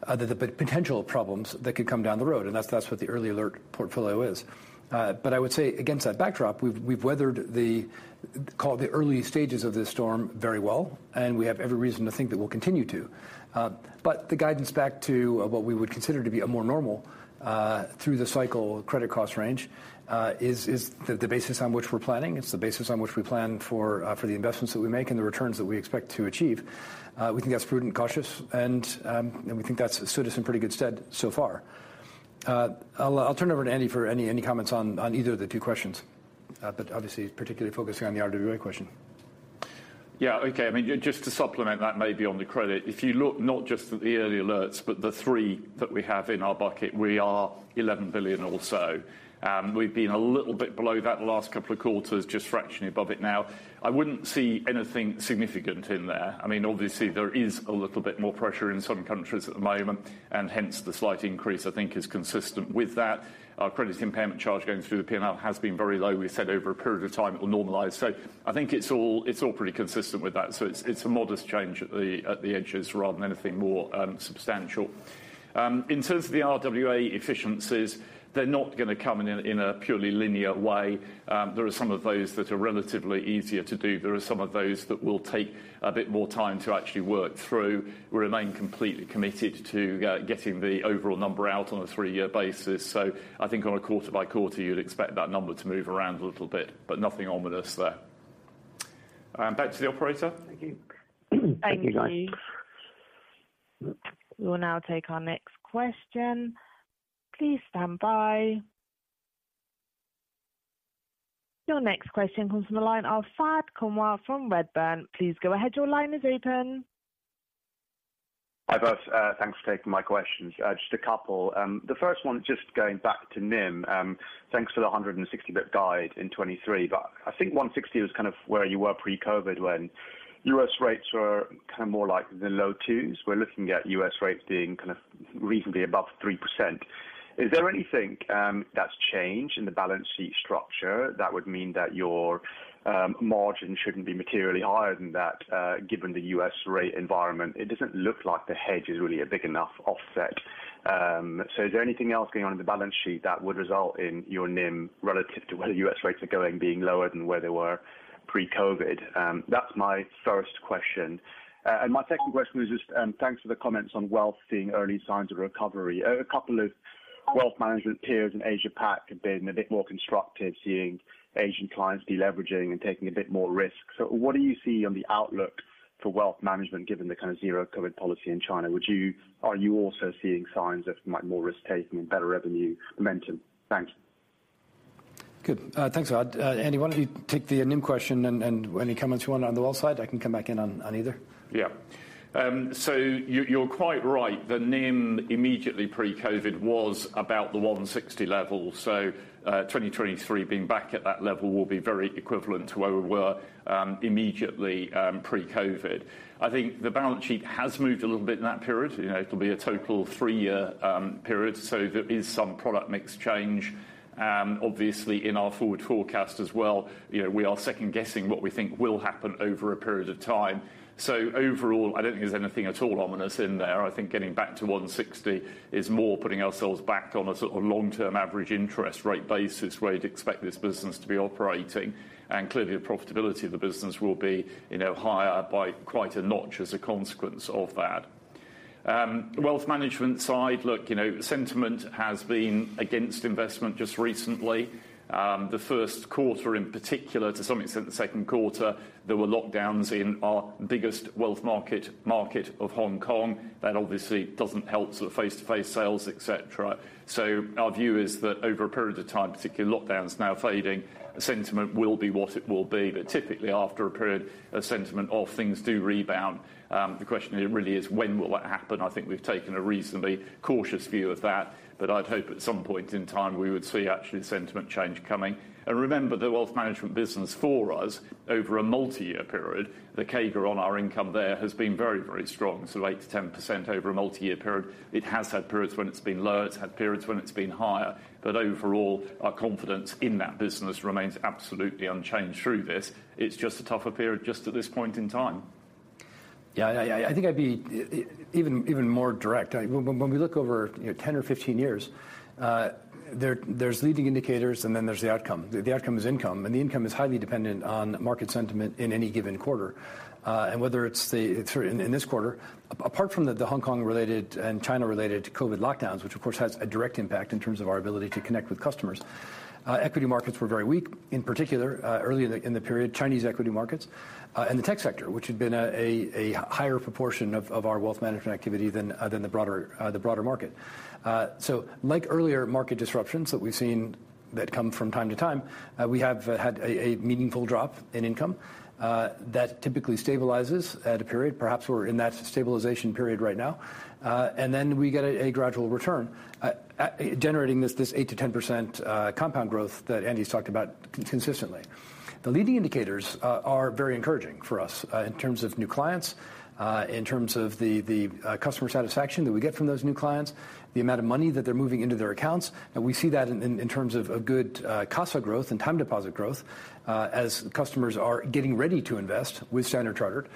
potential problems that could come down the road, and that's what the early alert portfolio is. I would say against that backdrop, we've weathered the early stages of this storm very well, and we have every reason to think that we'll continue to. The guidance back to what we would consider to be a more normal, through the cycle credit cost range, is the basis on which we're planning. It's the basis on which we plan for the investments that we make and the returns that we expect to achieve. We think that's prudent, cautious, and we think that's stood us in pretty good stead so far. I'll turn over to Andy for any comments on either of the two questions. Obviously particularly focusing on the RWA question. Yeah. Okay. I mean, just to supplement that maybe on the credit. If you look not just at the early alerts, but the three that we have in our bucket, we are $11 billion or so. We've been a little bit below that the last couple of quarters, just fractionally above it now. I wouldn't see anything significant in there. I mean, obviously there is a little bit more pressure in some countries at the moment, and hence the slight increase I think is consistent with that. Our credit impairment charge going through the P&L has been very low. We said over a period of time it will normalize. I think it's all pretty consistent with that. It's a modest change at the edges rather than anything more substantial. In terms of the RWA efficiencies, they're not gonna come in a purely linear way. There are some of those that are relatively easier to do. There are some of those that will take a bit more time to actually work through. We remain completely committed to getting the overall number out on a three year basis. I think on a quarter by quarter, you'd expect that number to move around a little bit, but nothing ominous there. Back to the operator. Thank you, guys. Thank you. We will now take our next question. Please stand by. Your next question comes from the line of Fahed Kunwar from Redburn. Please go ahead. Your line is open. Hi, both. Thanks for taking my questions. Just a couple. The first one, just going back to NIM. Thanks for the 160 bps guide in 2023, but I think 160 was kind of where you were pre-COVID when U.S. rates were kind of more like the low 2s. We're looking at U.S. rates being kind of reasonably above 3%. Is there anything that's changed in the balance sheet structure that would mean that your margin shouldn't be materially higher than that, given the U.S. rate environment? It doesn't look like the hedge is really a big enough offset. So is there anything else going on in the balance sheet that would result in your NIM relative to where the U.S. rates are going being lower than where they were pre-COVID? That's my first question. My second question is just thanks for the comments on wealth seeing early signs of recovery. A couple of wealth management peers in Asia Pac have been a bit more constructive, seeing Asian clients deleveraging and taking a bit more risk. What do you see on the outlook for wealth management given the kind of zero COVID policy in China? Are you also seeing signs of much more risk-taking and better revenue momentum? Thank you. Good. Thanks, Fahed. Andy, why don't you take the NIM question and any comments you want on the wealth side? I can come back in on either. Yeah. You're quite right. The NIM immediately pre-COVID was about the 1.60% level. 2023 being back at that level will be very equivalent to where we were immediately pre-COVID. I think the balance sheet has moved a little bit in that period. You know, it'll be a total three year period. There is some product mix change. Obviously in our forward forecast as well, you know, we are second guessing what we think will happen over a period of time. Overall, I don't think there's anything at all ominous in there. I think getting back to 1.60% is more putting ourselves back on a sort of long-term average interest rate basis where you'd expect this business to be operating. Clearly the profitability of the business will be, you know, higher by quite a notch as a consequence of that. Wealth management side, look, you know, sentiment has been against investment just recently. The first quarter in particular, to some extent the second quarter, there were lockdowns in our biggest wealth market of Hong Kong. That obviously doesn't help sort of face-to-face sales, etc. Our view is that over a period of time, particularly lockdown is now fading, sentiment will be what it will be. Typically after a period of sentiment of things do rebound, the question really is when will that happen? I think we've taken a reasonably cautious view of that, but I'd hope at some point in time we would see actually sentiment change coming. Remember, the wealth management business for us over a multi-year period, the CAGR on our income there has been very, very strong. 8%-10% over a multi-year period. It has had periods when it's been lower. It's had periods when it's been higher. Overall, our confidence in that business remains absolutely unchanged through this. It's just a tougher period just at this point in time. Yeah. I think I'd be even more direct. When we look over, you know, 10 or 15 years, there's leading indicators, and then there's the outcome. The outcome is income, and the income is highly dependent on market sentiment in any given quarter. And whether it's in this quarter, apart from the Hong Kong related and China related COVID lockdowns, which of course has a direct impact in terms of our ability to connect with customers, equity markets were very weak, in particular, early in the period, Chinese equity markets, and the tech sector, which had been a higher proportion of our wealth management activity than the broader market. Like earlier market disruptions that we've seen that come from time-to-time, we have had a meaningful drop in income that typically stabilizes at a period. Perhaps we're in that stabilization period right now. We get a gradual return generating this 8%-10% compound growth that Andy's talked about consistently. The leading indicators are very encouraging for us in terms of new clients, in terms of the customer satisfaction that we get from those new clients, the amount of money that they're moving into their accounts. We see that in terms of good CASA growth and time deposit growth as customers are getting ready to invest with Standard Chartered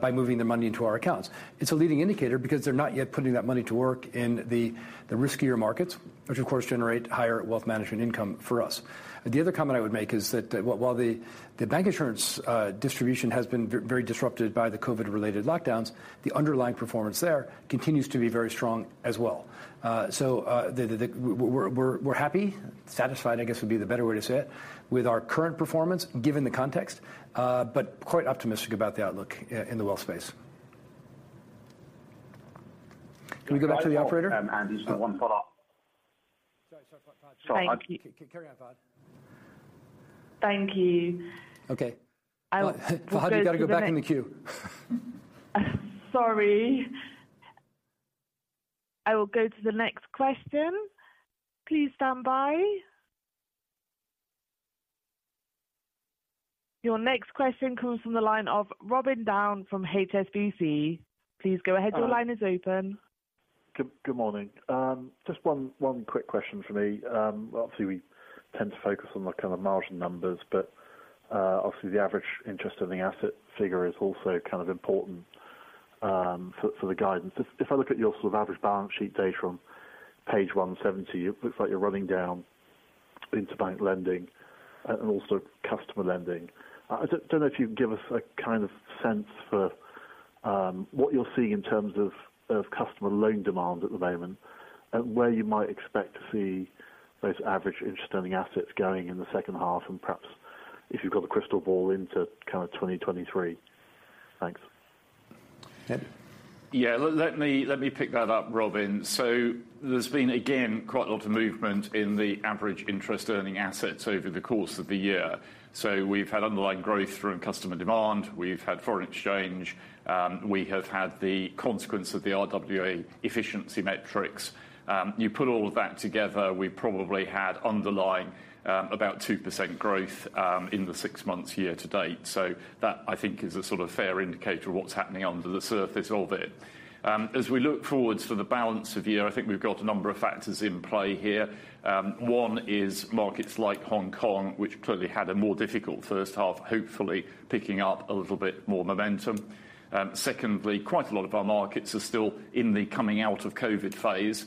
by moving their money into our accounts. It's a leading indicator because they're not yet putting that money to work in the riskier markets, which of course generate higher wealth management income for us. The other comment I would make is that while the bank insurance distribution has been very disrupted by the COVID-19-related lockdowns, the underlying performance there continues to be very strong as well. We're happy. Satisfied, I guess would be the better word to say it, with our current performance given the context, but quite optimistic about the outlook in the wealth space. Can we go back to the operator? Andy, just one follow-up. Sorry. Thank you. Carry on, Fahed. Thank you. Okay. I will. Fahed, you got to go back in the queue. Sorry. I will go to the next question. Please stand by. Your next question comes from the line of Robin Down from HSBC. Please go ahead. Your line is open. Good morning. Just one quick question for me. Obviously, we tend to focus on the kind of margin numbers, but obviously the average interest-earning asset figure is also kind of important for the guidance. If I look at your sort of average balance sheet data on page 170, it looks like you're running down interbank lending and also customer lending. I don't know if you can give us a kind of sense for what you're seeing in terms of customer loan demand at the moment and where you might expect to see those average interest-earning assets going in the second half and perhaps if you've got a crystal ball into 2023. Thanks. Andy? Yeah, let me pick that up, Robin. There's been, again, quite a lot of movement in the average interest earning assets over the course of the year. We've had underlying growth from customer demand. We've had foreign exchange. We have had the consequence of the RWA efficiency metrics. You put all of that together, we probably had underlying, about 2% growth, in the six months year to date. That I think is a sort of fair indicator of what's happening under the surface of it. As we look forward to the balance of the year, I think we've got a number of factors in play here. One is markets like Hong Kong, which clearly had a more difficult first half, hopefully picking up a little bit more momentum. Secondly, quite a lot of our markets are still in the coming out of COVID phase,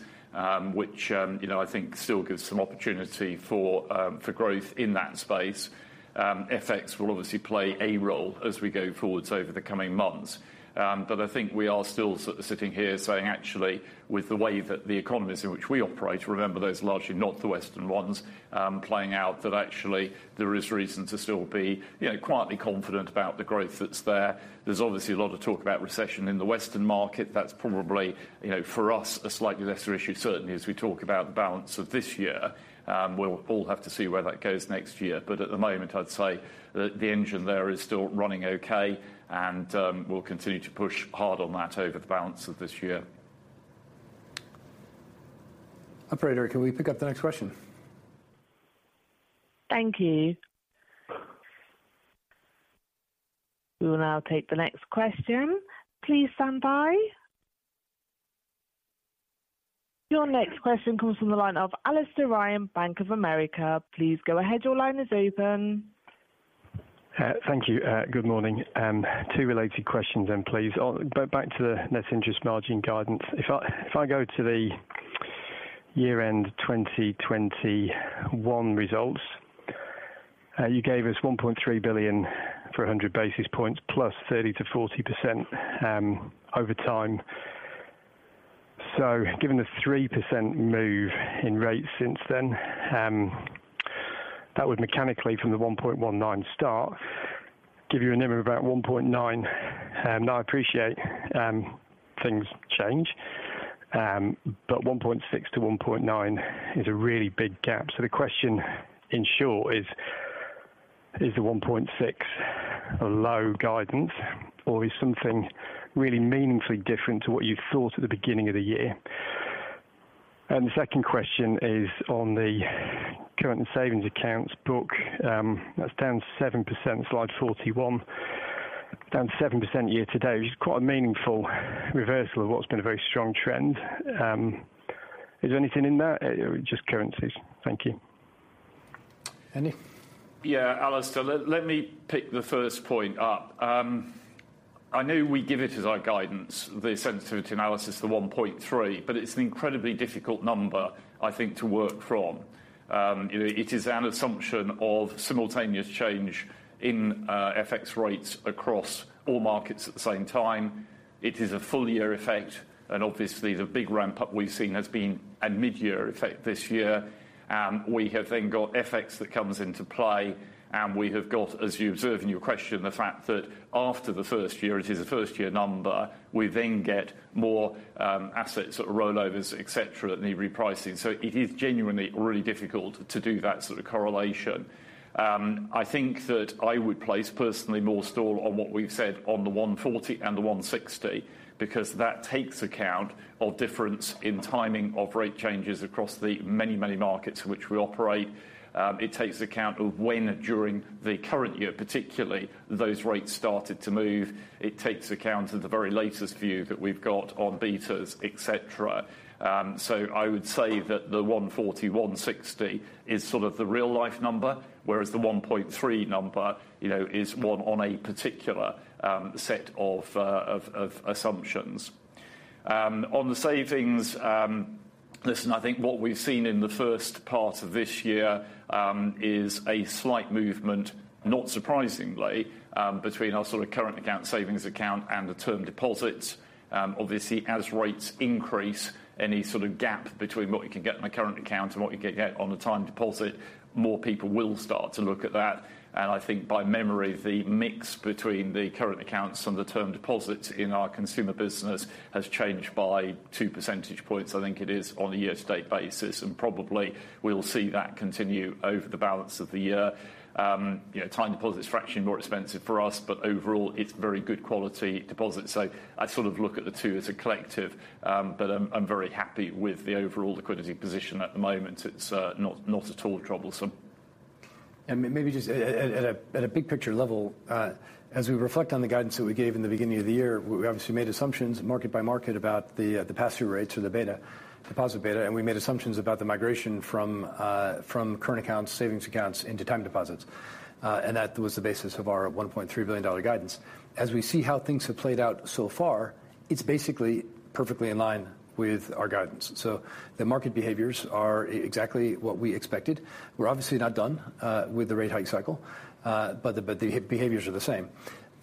which, you know, I think still gives some opportunity for growth in that space. FX will obviously play a role as we go forwards over the coming months. I think we are still sort of sitting here saying, actually, with the way that the economies in which we operate, remember, those are largely not the Western ones, playing out, that actually there is reason to still be, you know, quietly confident about the growth that's there. There's obviously a lot of talk about recession in the Western market. That's probably, you know, for us, a slightly lesser issue, certainly as we talk about the balance of this year. We'll all have to see where that goes next year. At the moment, I'd say the engine there is still running okay, and we'll continue to push hard on that over the balance of this year. Operator, can we pick up the next question? Thank you. We will now take the next question. Please stand by. Your next question comes from the line of Alastair Ryan, Bank of America. Please go ahead. Your line is open. Thank you. Good morning. Two related questions, please. Back to the net interest margin guidance. If I go to the year-end 2021 results, you gave us $1.3 billion for 100 basis points +30%-40%, over time. Given the 3% move in rates since then, that would mechanically from the 1.19 start, give you a number of about 1.9%. Now I appreciate, things change, but 1.6%-1.9% is a really big gap. The question in short is the 1.6% a low guidance or is something really meaningfully different to what you thought at the beginning of the year? The second question is on the current savings accounts book. That's down 7%, slide 41. Down 7% year to date, which is quite a meaningful reversal of what's been a very strong trend. Is there anything in there? Or just currencies? Thank you. Andy? Yeah. Alastair, let me pick the first point up. I know we give it as our guidance, the sensitivity analysis, the 1.3, but it's an incredibly difficult number, I think, to work from. You know, it is an assumption of simultaneous change in FX rates across all markets at the same time. It is a full year effect, and obviously the big ramp up we've seen has been a midyear effect this year. We have then got FX that comes into play, and we have got, as you observe in your question, the fact that after the first year, it is a first year number. We then get more assets at rollovers, etc., that need repricing. It is genuinely really difficult to do that sort of correlation. I think that I would place personally more store on what we've said on the 140 and the 160, because that takes account of difference in timing of rate changes across the many, many markets in which we operate. It takes account of when during the current year, particularly, those rates started to move. It takes account of the very latest view that we've got on betas, etc. I would say that the 140, 160 is sort of the real life number, whereas the 1.3 number, you know, is based on a particular set of assumptions. On the savings, listen, I think what we've seen in the first part of this year is a slight movement, not surprisingly, between our sort of current account savings account and the term deposits. Obviously as rates increase, any sort of gap between what you can get in a current account and what you can get on a time deposit, more people will start to look at that. I think by memory, the mix between the current accounts and the term deposits in our consumer business has changed by two percentage points, I think it is, on a year to date basis. Probably we'll see that continue over the balance of the year. You know, time deposit's fractionally more expensive for us, but overall it's very good quality deposits. I sort of look at the two as a collective. I'm very happy with the overall liquidity position at the moment. It's not at all troublesome. Maybe just at a big picture level, as we reflect on the guidance that we gave in the beginning of the year, we obviously made assumptions market by market about the pass through rates or the beta, deposit beta. We made assumptions about the migration from current accounts, savings accounts into time deposits. That was the basis of our $1.3 billion guidance. As we see how things have played out so far, it's basically perfectly in line with our guidance. The market behaviors are exactly what we expected. We're obviously not done with the rate hike cycle. But the behaviors are the same.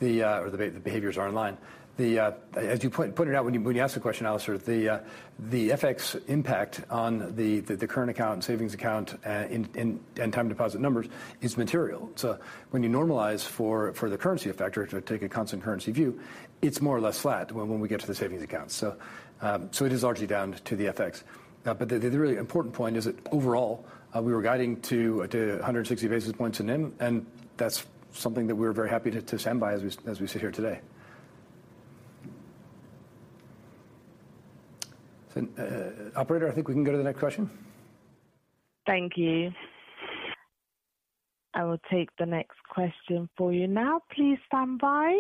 The behaviors are in line. As you pointed out when you asked the question, Alastair, the FX impact on the current account, savings account, in time deposit numbers is material. When you normalize for the currency effect or take a constant currency view, it's more or less flat when we get to the savings account. It is largely down to the FX. But the really important point is that overall, we were guiding to 160 basis points in NIM, and that's something that we're very happy to stand by as we sit here today. Operator, I think we can go to the next question. Thank you. I will take the next question for you now. Please stand by.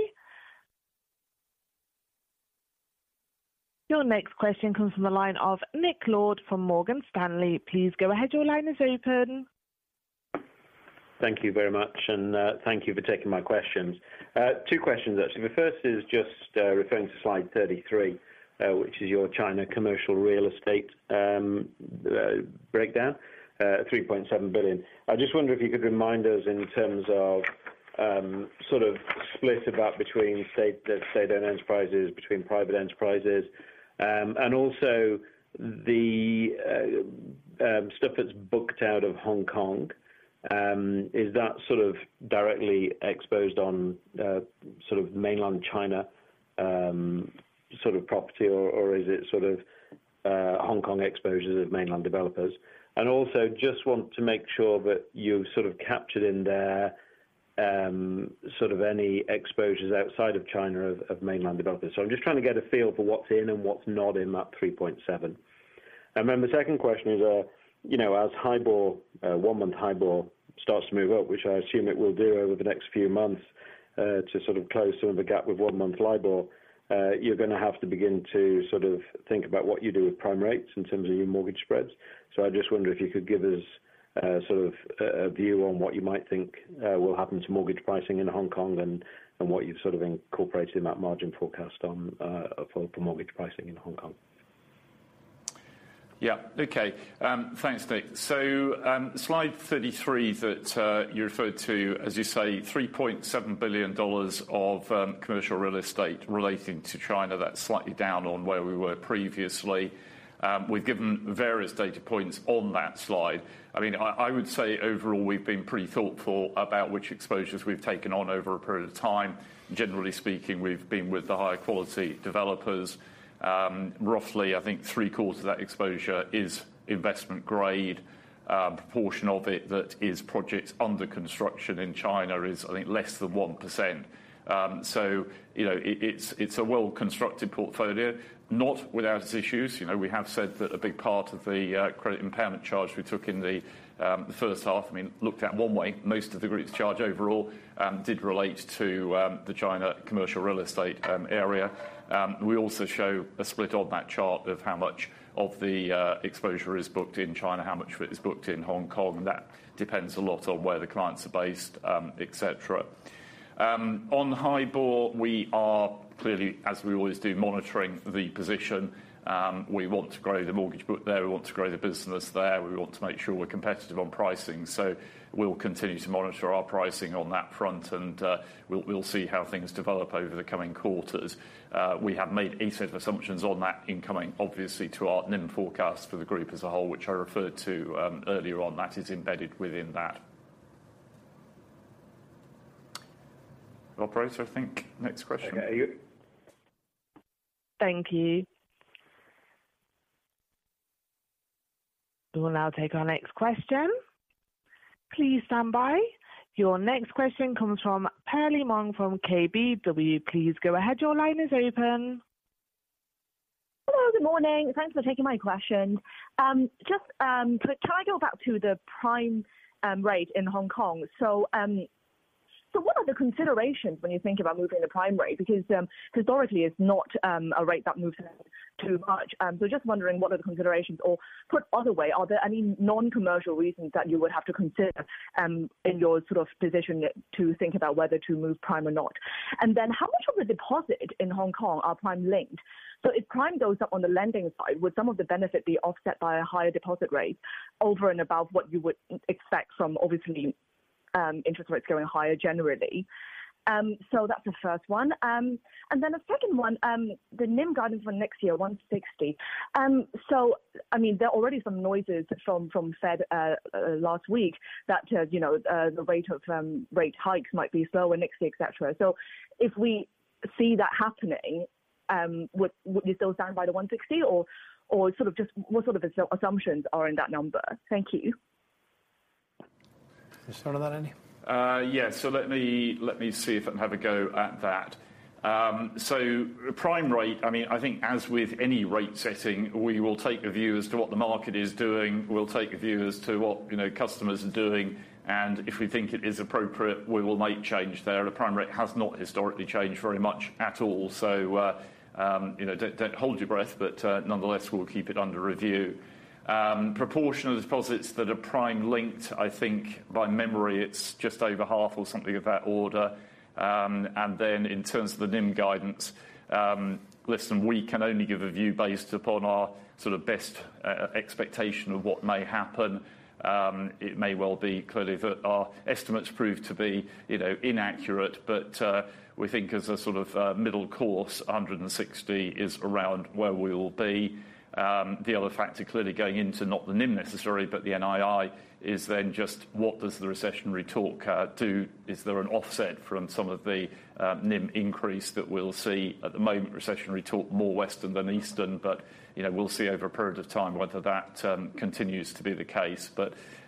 Your next question comes from the line of Nick Lord from Morgan Stanley. Please go ahead, your line is open. Thank you very much. Thank you for taking my questions. Two questions actually. The first is just referring to slide 33, which is your China commercial real estate breakdown, $3.7 billion. I just wonder if you could remind us in terms of sort of split about between state, let's say, their enterprises between private enterprises. Also the stuff that's booked out of Hong Kong, is that sort of directly exposed on sort of mainland China sort of property or is it sort of Hong Kong exposures of mainland developers? Just want to make sure that you sort of captured in there sort of any exposures outside of China of mainland developers. I'm just trying to get a feel for what's in and what's not in that 3.7%. Then the second question is, as HIBOR, one-month HIBOR starts to move up, which I assume it will do over the next few months, to sort of close some of the gap with one-month LIBOR, you're gonna have to begin to sort of think about what you do with prime rates in terms of your mortgage spreads. I just wonder if you could give us, sort of a view on what you might think will happen to mortgage pricing in Hong Kong and what you've sort of incorporated in that margin forecast for mortgage pricing in Hong Kong. Yeah. Okay. Thanks, Nick. Slide 33 that you referred to, as you say, $3.7 billion of commercial real estate relating to China. That's slightly down on where we were previously. We've given various data points on that slide. I mean, I would say overall we've been pretty thoughtful about which exposures we've taken on over a period of time. Generally speaking, we've been with the high quality developers. Roughly, I think 3/4 of that exposure is investment grade. Proportion of it that is projects under construction in China is, I think, less than 1%. You know, it's a well-constructed portfolio, not without its issues. You know, we have said that a big part of the credit impairment charge we took in the first half, I mean, looked at one way, most of the group's charge overall, did relate to the China commercial real estate area. We also show a split on that chart of how much of the exposure is booked in China, how much of it is booked in Hong Kong. That depends a lot on where the clients are based, etc. On HIBOR, we are clearly, as we always do, monitoring the position. We want to grow the mortgage book there. We want to grow the business there. We want to make sure we're competitive on pricing. We'll continue to monitor our pricing on that front, and we'll see how things develop over the coming quarters. We have made assumptions on that income, obviously, to our NIM forecast for the group as a whole, which I referred to earlier on. That is embedded within that. Operator, I think. Next question. Okay. Thank you. We will now take our next question. Please stand by. Your next question comes from Perlie Mong from KBW. Please go ahead. Your line is open. Hello, good morning. Thanks for taking my question. Just, can I go back to the prime rate in Hong Kong? What are the considerations when you think about moving the prime rate? Because historically, it's not a rate that moves too much. Just wondering what are the considerations or put other way, are there any non-commercial reasons that you would have to consider, in your sort of position to think about whether to move prime or not? And then how much of a deposit in Hong Kong are prime linked? If prime goes up on the lending side, would some of the benefit be offset by a higher deposit rate over and above what you would expect from obviously, interest rates going higher generally? That's the first one. The second one, the NIM guidance for next year, 1.60%. I mean, there are already some noises from Fed last week that, you know, the rate of rate hikes might be slower next year, etc. If we see that happening, would you still stand by the 1.60% or sort of just what sort of assumptions are in that number? Thank you. You sort of that, Andy? Yes. Let me see if I can have a go at that. Prime rate, I mean, I think as with any rate setting, we will take a view as to what the market is doing, we'll take a view as to what, you know, customers are doing, and if we think it is appropriate, we will make change there. The prime rate has not historically changed very much at all. You know, don't hold your breath, but nonetheless, we'll keep it under review. Proportion of deposits that are prime linked, I think by memory, it's just over half or something of that order. In terms of the NIM guidance, listen, we can only give a view based upon our sort of best expectation of what may happen. It may well be clearly that our estimates prove to be, you know, inaccurate, but we think as a sort of middle course, $160 is around where we will be. The other factor clearly going into not the NIM necessarily, but the NII, is then just what does the recessionary talk do? Is there an offset from some of the NIM increase that we'll see at the moment, recessionary talk more western than eastern, but you know, we'll see over a period of time whether that continues to be the case.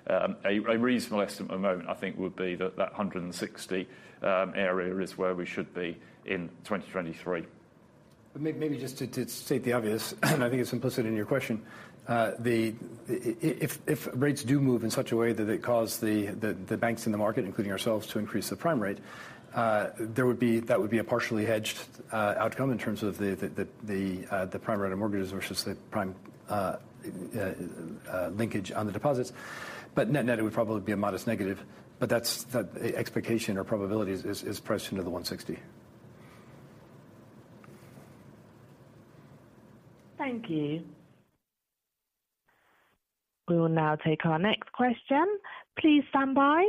A reasonable estimate at the moment, I think would be that $160 area is where we should be in 2023. Maybe just to state the obvious, I think it's implicit in your question. If rates do move in such a way that it caused the banks in the market, including ourselves, to increase the prime rate, there would be a partially hedged outcome in terms of the prime rate of mortgages versus the prime linkage on the deposits. Net, it would probably be a modest negative, but that's the expectation or probabilities is priced into the $160. Thank you. We will now take our next question. Please stand by.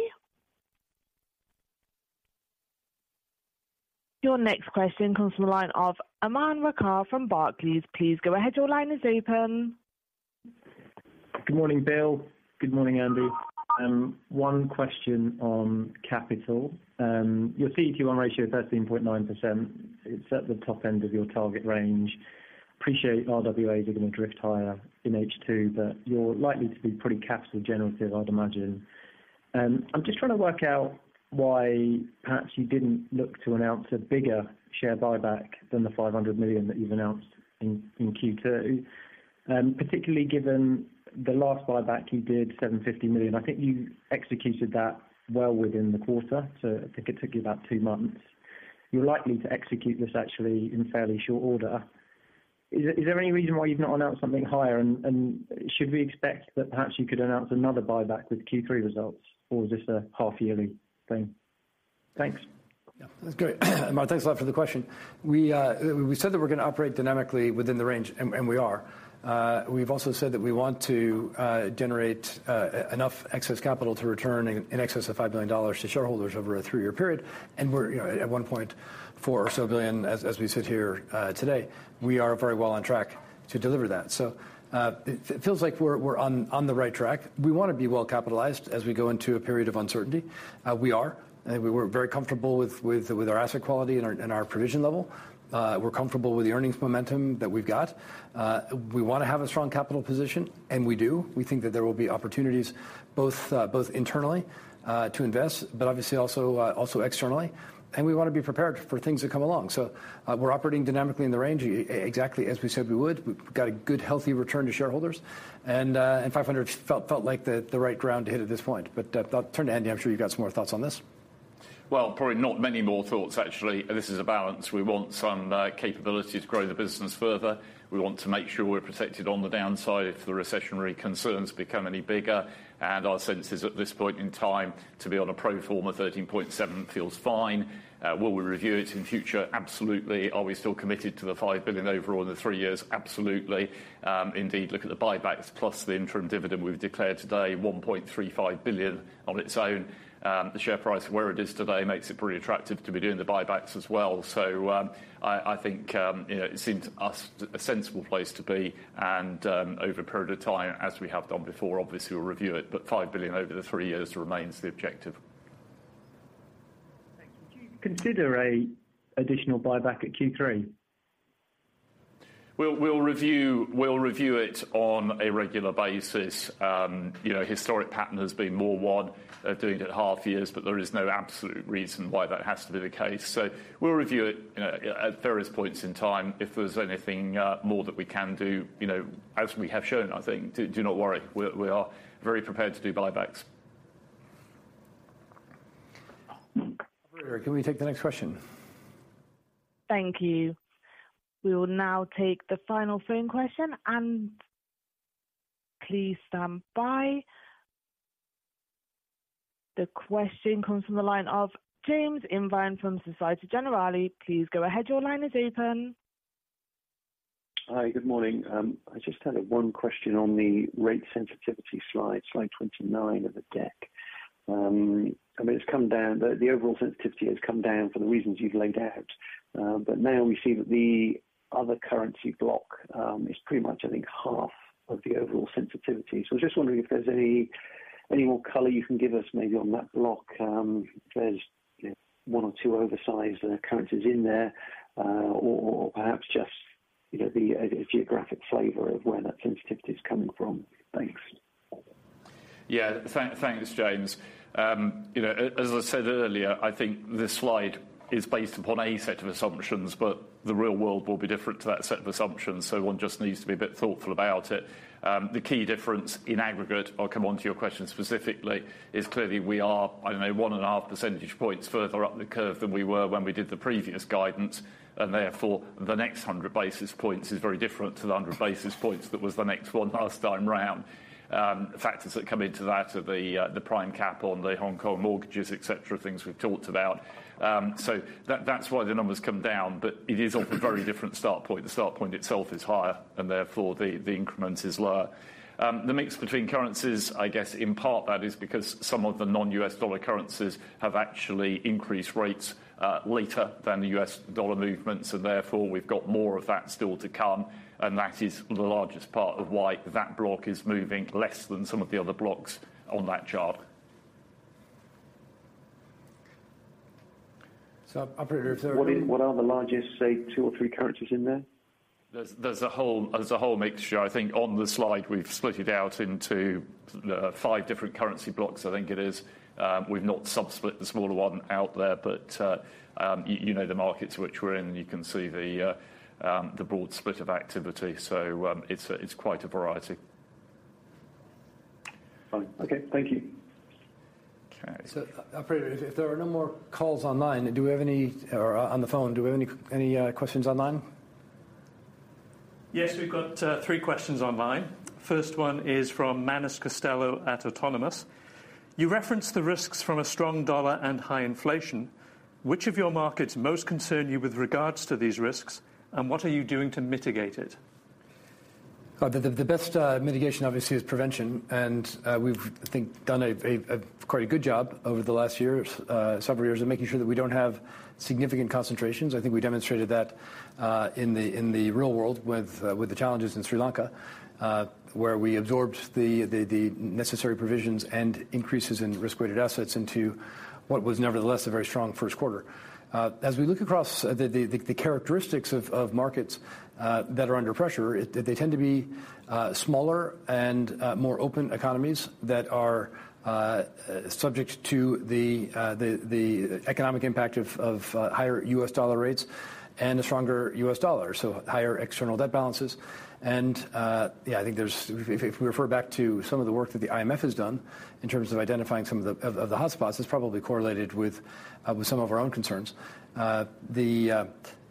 Your next question comes from the line of Aman Rakkar from Barclays. Please go ahead. Your line is open. Good morning, Bill. Good morning, Andy. One question on capital. Your CET1 ratio, 13.9%, it's at the top end of your target range. I appreciate RWAs are going to drift higher in H2, but you're likely to be pretty capital generative, I'd imagine. I'm just trying to work out why perhaps you didn't look to announce a bigger share buyback than the $500 million that you've announced in Q2. Particularly given the last buyback you did, $750 million. I think you executed that well within the quarter. I think it took you about two months. You're likely to execute this actually in fairly short order. Is there any reason why you've not announced something higher? And should we expect that perhaps you could announce another buyback with Q3 results or is this a half yearly thing? Thanks. Yeah, that's great. Aman, thanks a lot for the question. We said that we're going to operate dynamically within the range, and we are. We've also said that we want to generate enough excess capital to return in excess of $5 billion to shareholders over a three year period. We're, you know, at $1.4 billion or so as we sit here today. We are very well on track to deliver that. It feels like we're on the right track. We want to be well capitalized as we go into a period of uncertainty. We are. We were very comfortable with our asset quality and our provision level. We're comfortable with the earnings momentum that we've got. We want to have a strong capital position, and we do. We think that there will be opportunities both internally to invest, but obviously also externally. We want to be prepared for things that come along. We're operating dynamically in the range exactly as we said we would. We've got a good, healthy return to shareholders and 500 felt like the right ground to hit at this point. I'll turn to Andy. I'm sure you've got some more thoughts on this. Well, probably not many more thoughts, actually. This is a balance. We want some capability to grow the business further. We want to make sure we're protected on the downside if the recessionary concerns become any bigger. Our sense is at this point in time to be on a pro forma 13.7 feels fine. Will we review it in future? Absolutely. Are we still committed to the $5 billion overall in the three years? Absolutely. Indeed, look at the buybacks plus the interim dividend we've declared today, $1.35 billion on its own. The share price where it is today makes it pretty attractive to be doing the buybacks as well. I think, you know, it seems a sensible place to be and, over a period of time, as we have done before, obviously we'll review it, but $5 billion over the three years remains the objective. Consider an additional buyback at Q3. We'll review it on a regular basis. You know, historic pattern has been more like one, doing it half yearly, but there is no absolute reason why that has to be the case. We'll review it at various points in time if there's anything more that we can do, you know, as we have shown, I think. Do not worry, we are very prepared to do buybacks. Operator, can we take the next question? Thank you. We will now take the final phone question. Please stand by. The question comes from the line of James Irvine from Société Générale. Please go ahead. Your line is open. Hi, good morning. I just had one question on the rate sensitivity slide 29 of the deck. I mean, it's come down, the overall sensitivity has come down for the reasons you've laid out. Now we see that the other currency block is pretty much, I think, half of the overall sensitivity. I'm just wondering if there's any more color you can give us maybe on that block. If there's, you know, one or two oversized currencies in there, or perhaps just, you know, a geographic flavor of where that sensitivity is coming from. Thanks. Yeah. Thanks, James. You know, as I said earlier, I think this slide is based upon a set of assumptions, but the real world will be different to that set of assumptions, so one just needs to be a bit thoughtful about it. The key difference in aggregate, I'll come on to your question specifically, is clearly we are, I don't know, 1.5 percentage points further up the curve than we were when we did the previous guidance, and therefore the next 100 basis points is very different to the 100 basis points that was the next one last time round. Factors that come into that are the prime cap on the Hong Kong mortgages, etc., things we've talked about. That, that's why the numbers come down, but it is off a very different start point. The start point itself is higher and therefore the increment is lower. The mix between currencies, I guess in part that is because some of the non-U.S. dollar currencies have actually increased rates later than the U.S. dollar movements, and therefore we've got more of that still to come, and that is the largest part of why that block is moving less than some of the other blocks on that chart. Operator if there. What are the largest, say two or three currencies in there? There's a whole mixture. I think on the slide we've split it out into the five different currency blocks, I think it is. We've not sub-split the smaller one out there, but you know the markets which we're in, you can see the broad split of activity. It's quite a variety. Fine. Okay. Thank you. Okay. Operator, if there are no more calls online, do we have any? Or on the phone, do we have any questions online? Yes, we've got three questions online. First one is from Manus Costello at Autonomous. You referenced the risks from a strong dollar and high inflation. Which of your markets most concern you with regards to these risks, and what are you doing to mitigate it? The best mitigation obviously is prevention. We've, I think, done a quite good job over the last several years in making sure that we don't have significant concentrations. I think we demonstrated that in the real world with the challenges in Sri Lanka, where we absorbed the necessary provisions and increases in risk-weighted assets into what was nevertheless a very strong first quarter. As we look across the characteristics of markets that are under pressure, they tend to be smaller and more open economies that are subject to the economic impact of higher U.S. dollar rates and a stronger U.S. dollar, so higher external debt balances. Yeah, I think there's. If we refer back to some of the work that the IMF has done in terms of identifying some of the hotspots, it's probably correlated with some of our own concerns.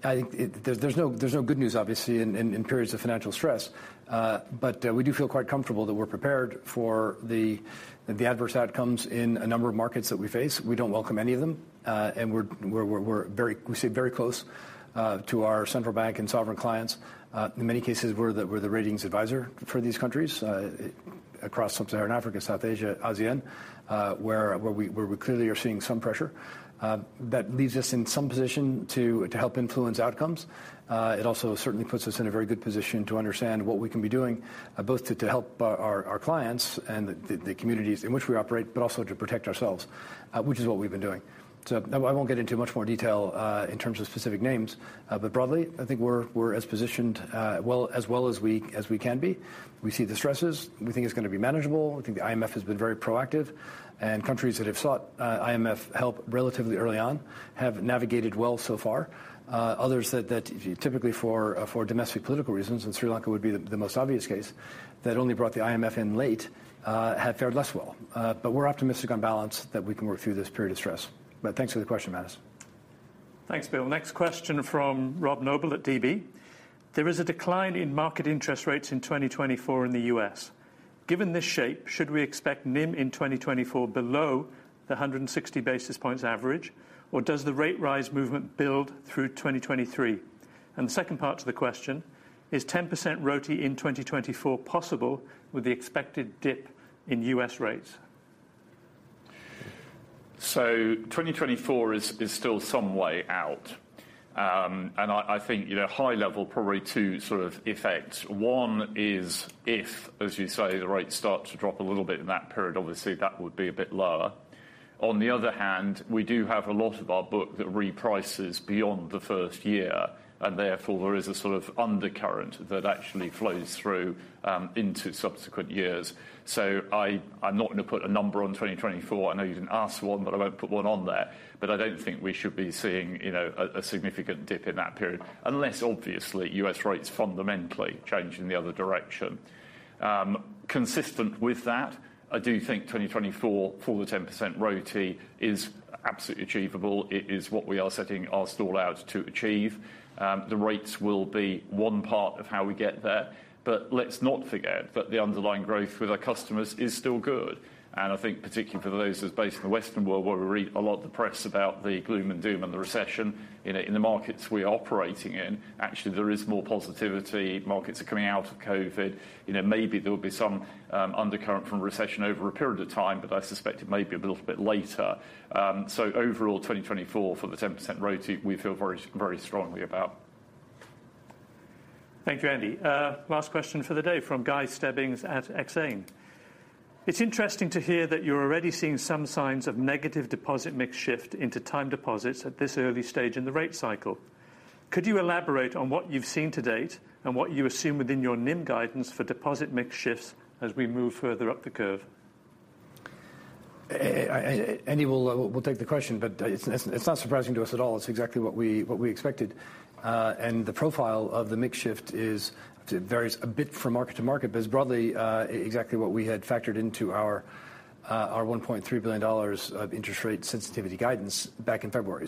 There's no good news obviously in periods of financial stress. We do feel quite comfortable that we're prepared for the adverse outcomes in a number of markets that we face. We don't welcome any of them. We sit very close to our central bank and sovereign clients. In many cases we're the ratings advisor for these countries across Sub-Saharan Africa, South Asia, ASEAN, where we clearly are seeing some pressure. That leaves us in some position to help influence outcomes. It also certainly puts us in a very good position to understand what we can be doing, both to help our clients and the communities in which we operate, but also to protect ourselves, which is what we've been doing. I won't get into much more detail in terms of specific names. Broadly, I think we're as well positioned as we can be. We see the stresses. We think it's gonna be manageable. I think the IMF has been very proactive, and countries that have sought IMF help relatively early on have navigated well so far. Others that typically, for domestic political reasons, and Sri Lanka would be the most obvious case, that only brought the IMF in late, have fared less well. We're optimistic on balance that we can work through this period of stress. Thanks for the question, Manus. Thanks, Bill. Next question from Rob Noble at DB. There is a decline in market interest rates in 2024 in the U.S. Given this shape, should we expect NIM in 2024 below the 160 basis points average, or does the rate rise movement build through 2023? The second part to the question, is 10% ROTCE in 2024 possible with the expected dip in U.S. rates? 2024 is still some way out, and I think, you know, high level, probably two sort of effects. One is if, as you say, the rates start to drop a little bit in that period, obviously that would be a bit lower. On the other hand, we do have a lot of our book that reprices beyond the first year, and therefore, there is a sort of undercurrent that actually flows through into subsequent years. I'm not gonna put a number on 2024. I know you didn't ask for one, but I won't put one on there. I don't think we should be seeing, you know, a significant dip in that period, unless obviously U.S. rates fundamentally change in the other direction. Consistent with that, I do think 2024 for the 10% ROTCE is absolutely achievable. It is what we are setting our stall out to achieve. The rates will be one part of how we get there. Let's not forget that the underlying growth with our customers is still good. I think particularly for those who's based in the Western world, where we read a lot of the press about the gloom and doom and the recession, you know, in the markets we're operating in, actually there is more positivity. Markets are coming out of COVID. You know, maybe there will be some undercurrent from recession over a period of time, but I suspect it may be a little bit later. Overall, 2024 for the 10% ROTCE, we feel very, very strongly about. Thank you, Andy. Last question for the day from Guy Stebbings at Exane. It's interesting to hear that you're already seeing some signs of negative deposit mix shift into time deposits at this early stage in the rate cycle. Could you elaborate on what you've seen to date and what you assume within your NIM guidance for deposit mix shifts as we move further up the curve? Andy will take the question, but it's not surprising to us at all. It's exactly what we expected. The profile of the mix shift varies a bit from market to market, but it's broadly exactly what we had factored into our $1.3 billion of interest rate sensitivity guidance back in February.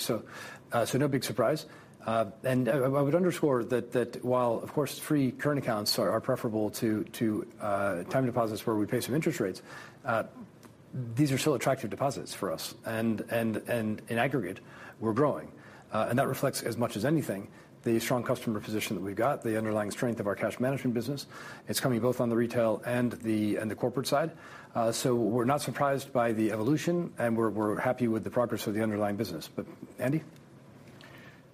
No big surprise. I would underscore that while of course free current accounts are preferable to time deposits where we pay some interest rates, these are still attractive deposits for us. In aggregate, we're growing. That reflects as much as anything the strong customer position that we've got, the underlying strength of our cash management business. It's coming both on the retail and the corporate side. We're not surprised by the evolution, and we're happy with the progress of the underlying business. Andy?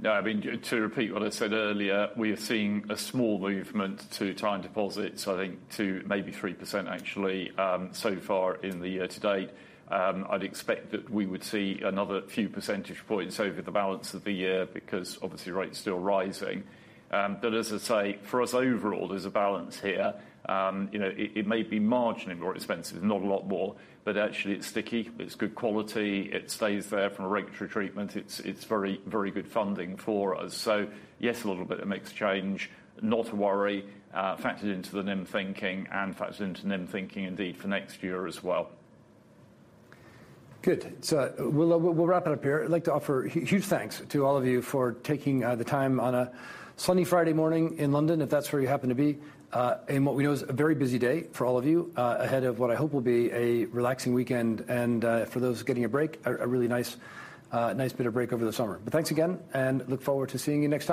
No, I mean, to repeat what I said earlier, we are seeing a small movement to time deposits, I think to maybe 3% actually, so far in the year to date. I'd expect that we would see another few percentage points over the balance of the year because obviously rate's still rising. But as I say, for us overall, there's a balance here. You know, it may be marginally more expensive, not a lot more, but actually it's sticky, it's good quality, it stays there from a regulatory treatment. It's very, very good funding for us. So yes, a little bit of mix change. Not a worry. Factored into the NIM thinking and factored into NIM thinking indeed for next year as well. Good. So we'll wrap it up here. I'd like to offer huge thanks to all of you for taking the time on a sunny Friday morning in London, if that's where you happen to be, and what we know is a very busy day for all of you, ahead of what I hope will be a relaxing weekend and, for those getting a break, a really nice bit of break over the summer. Thanks again, and look forward to seeing you next time.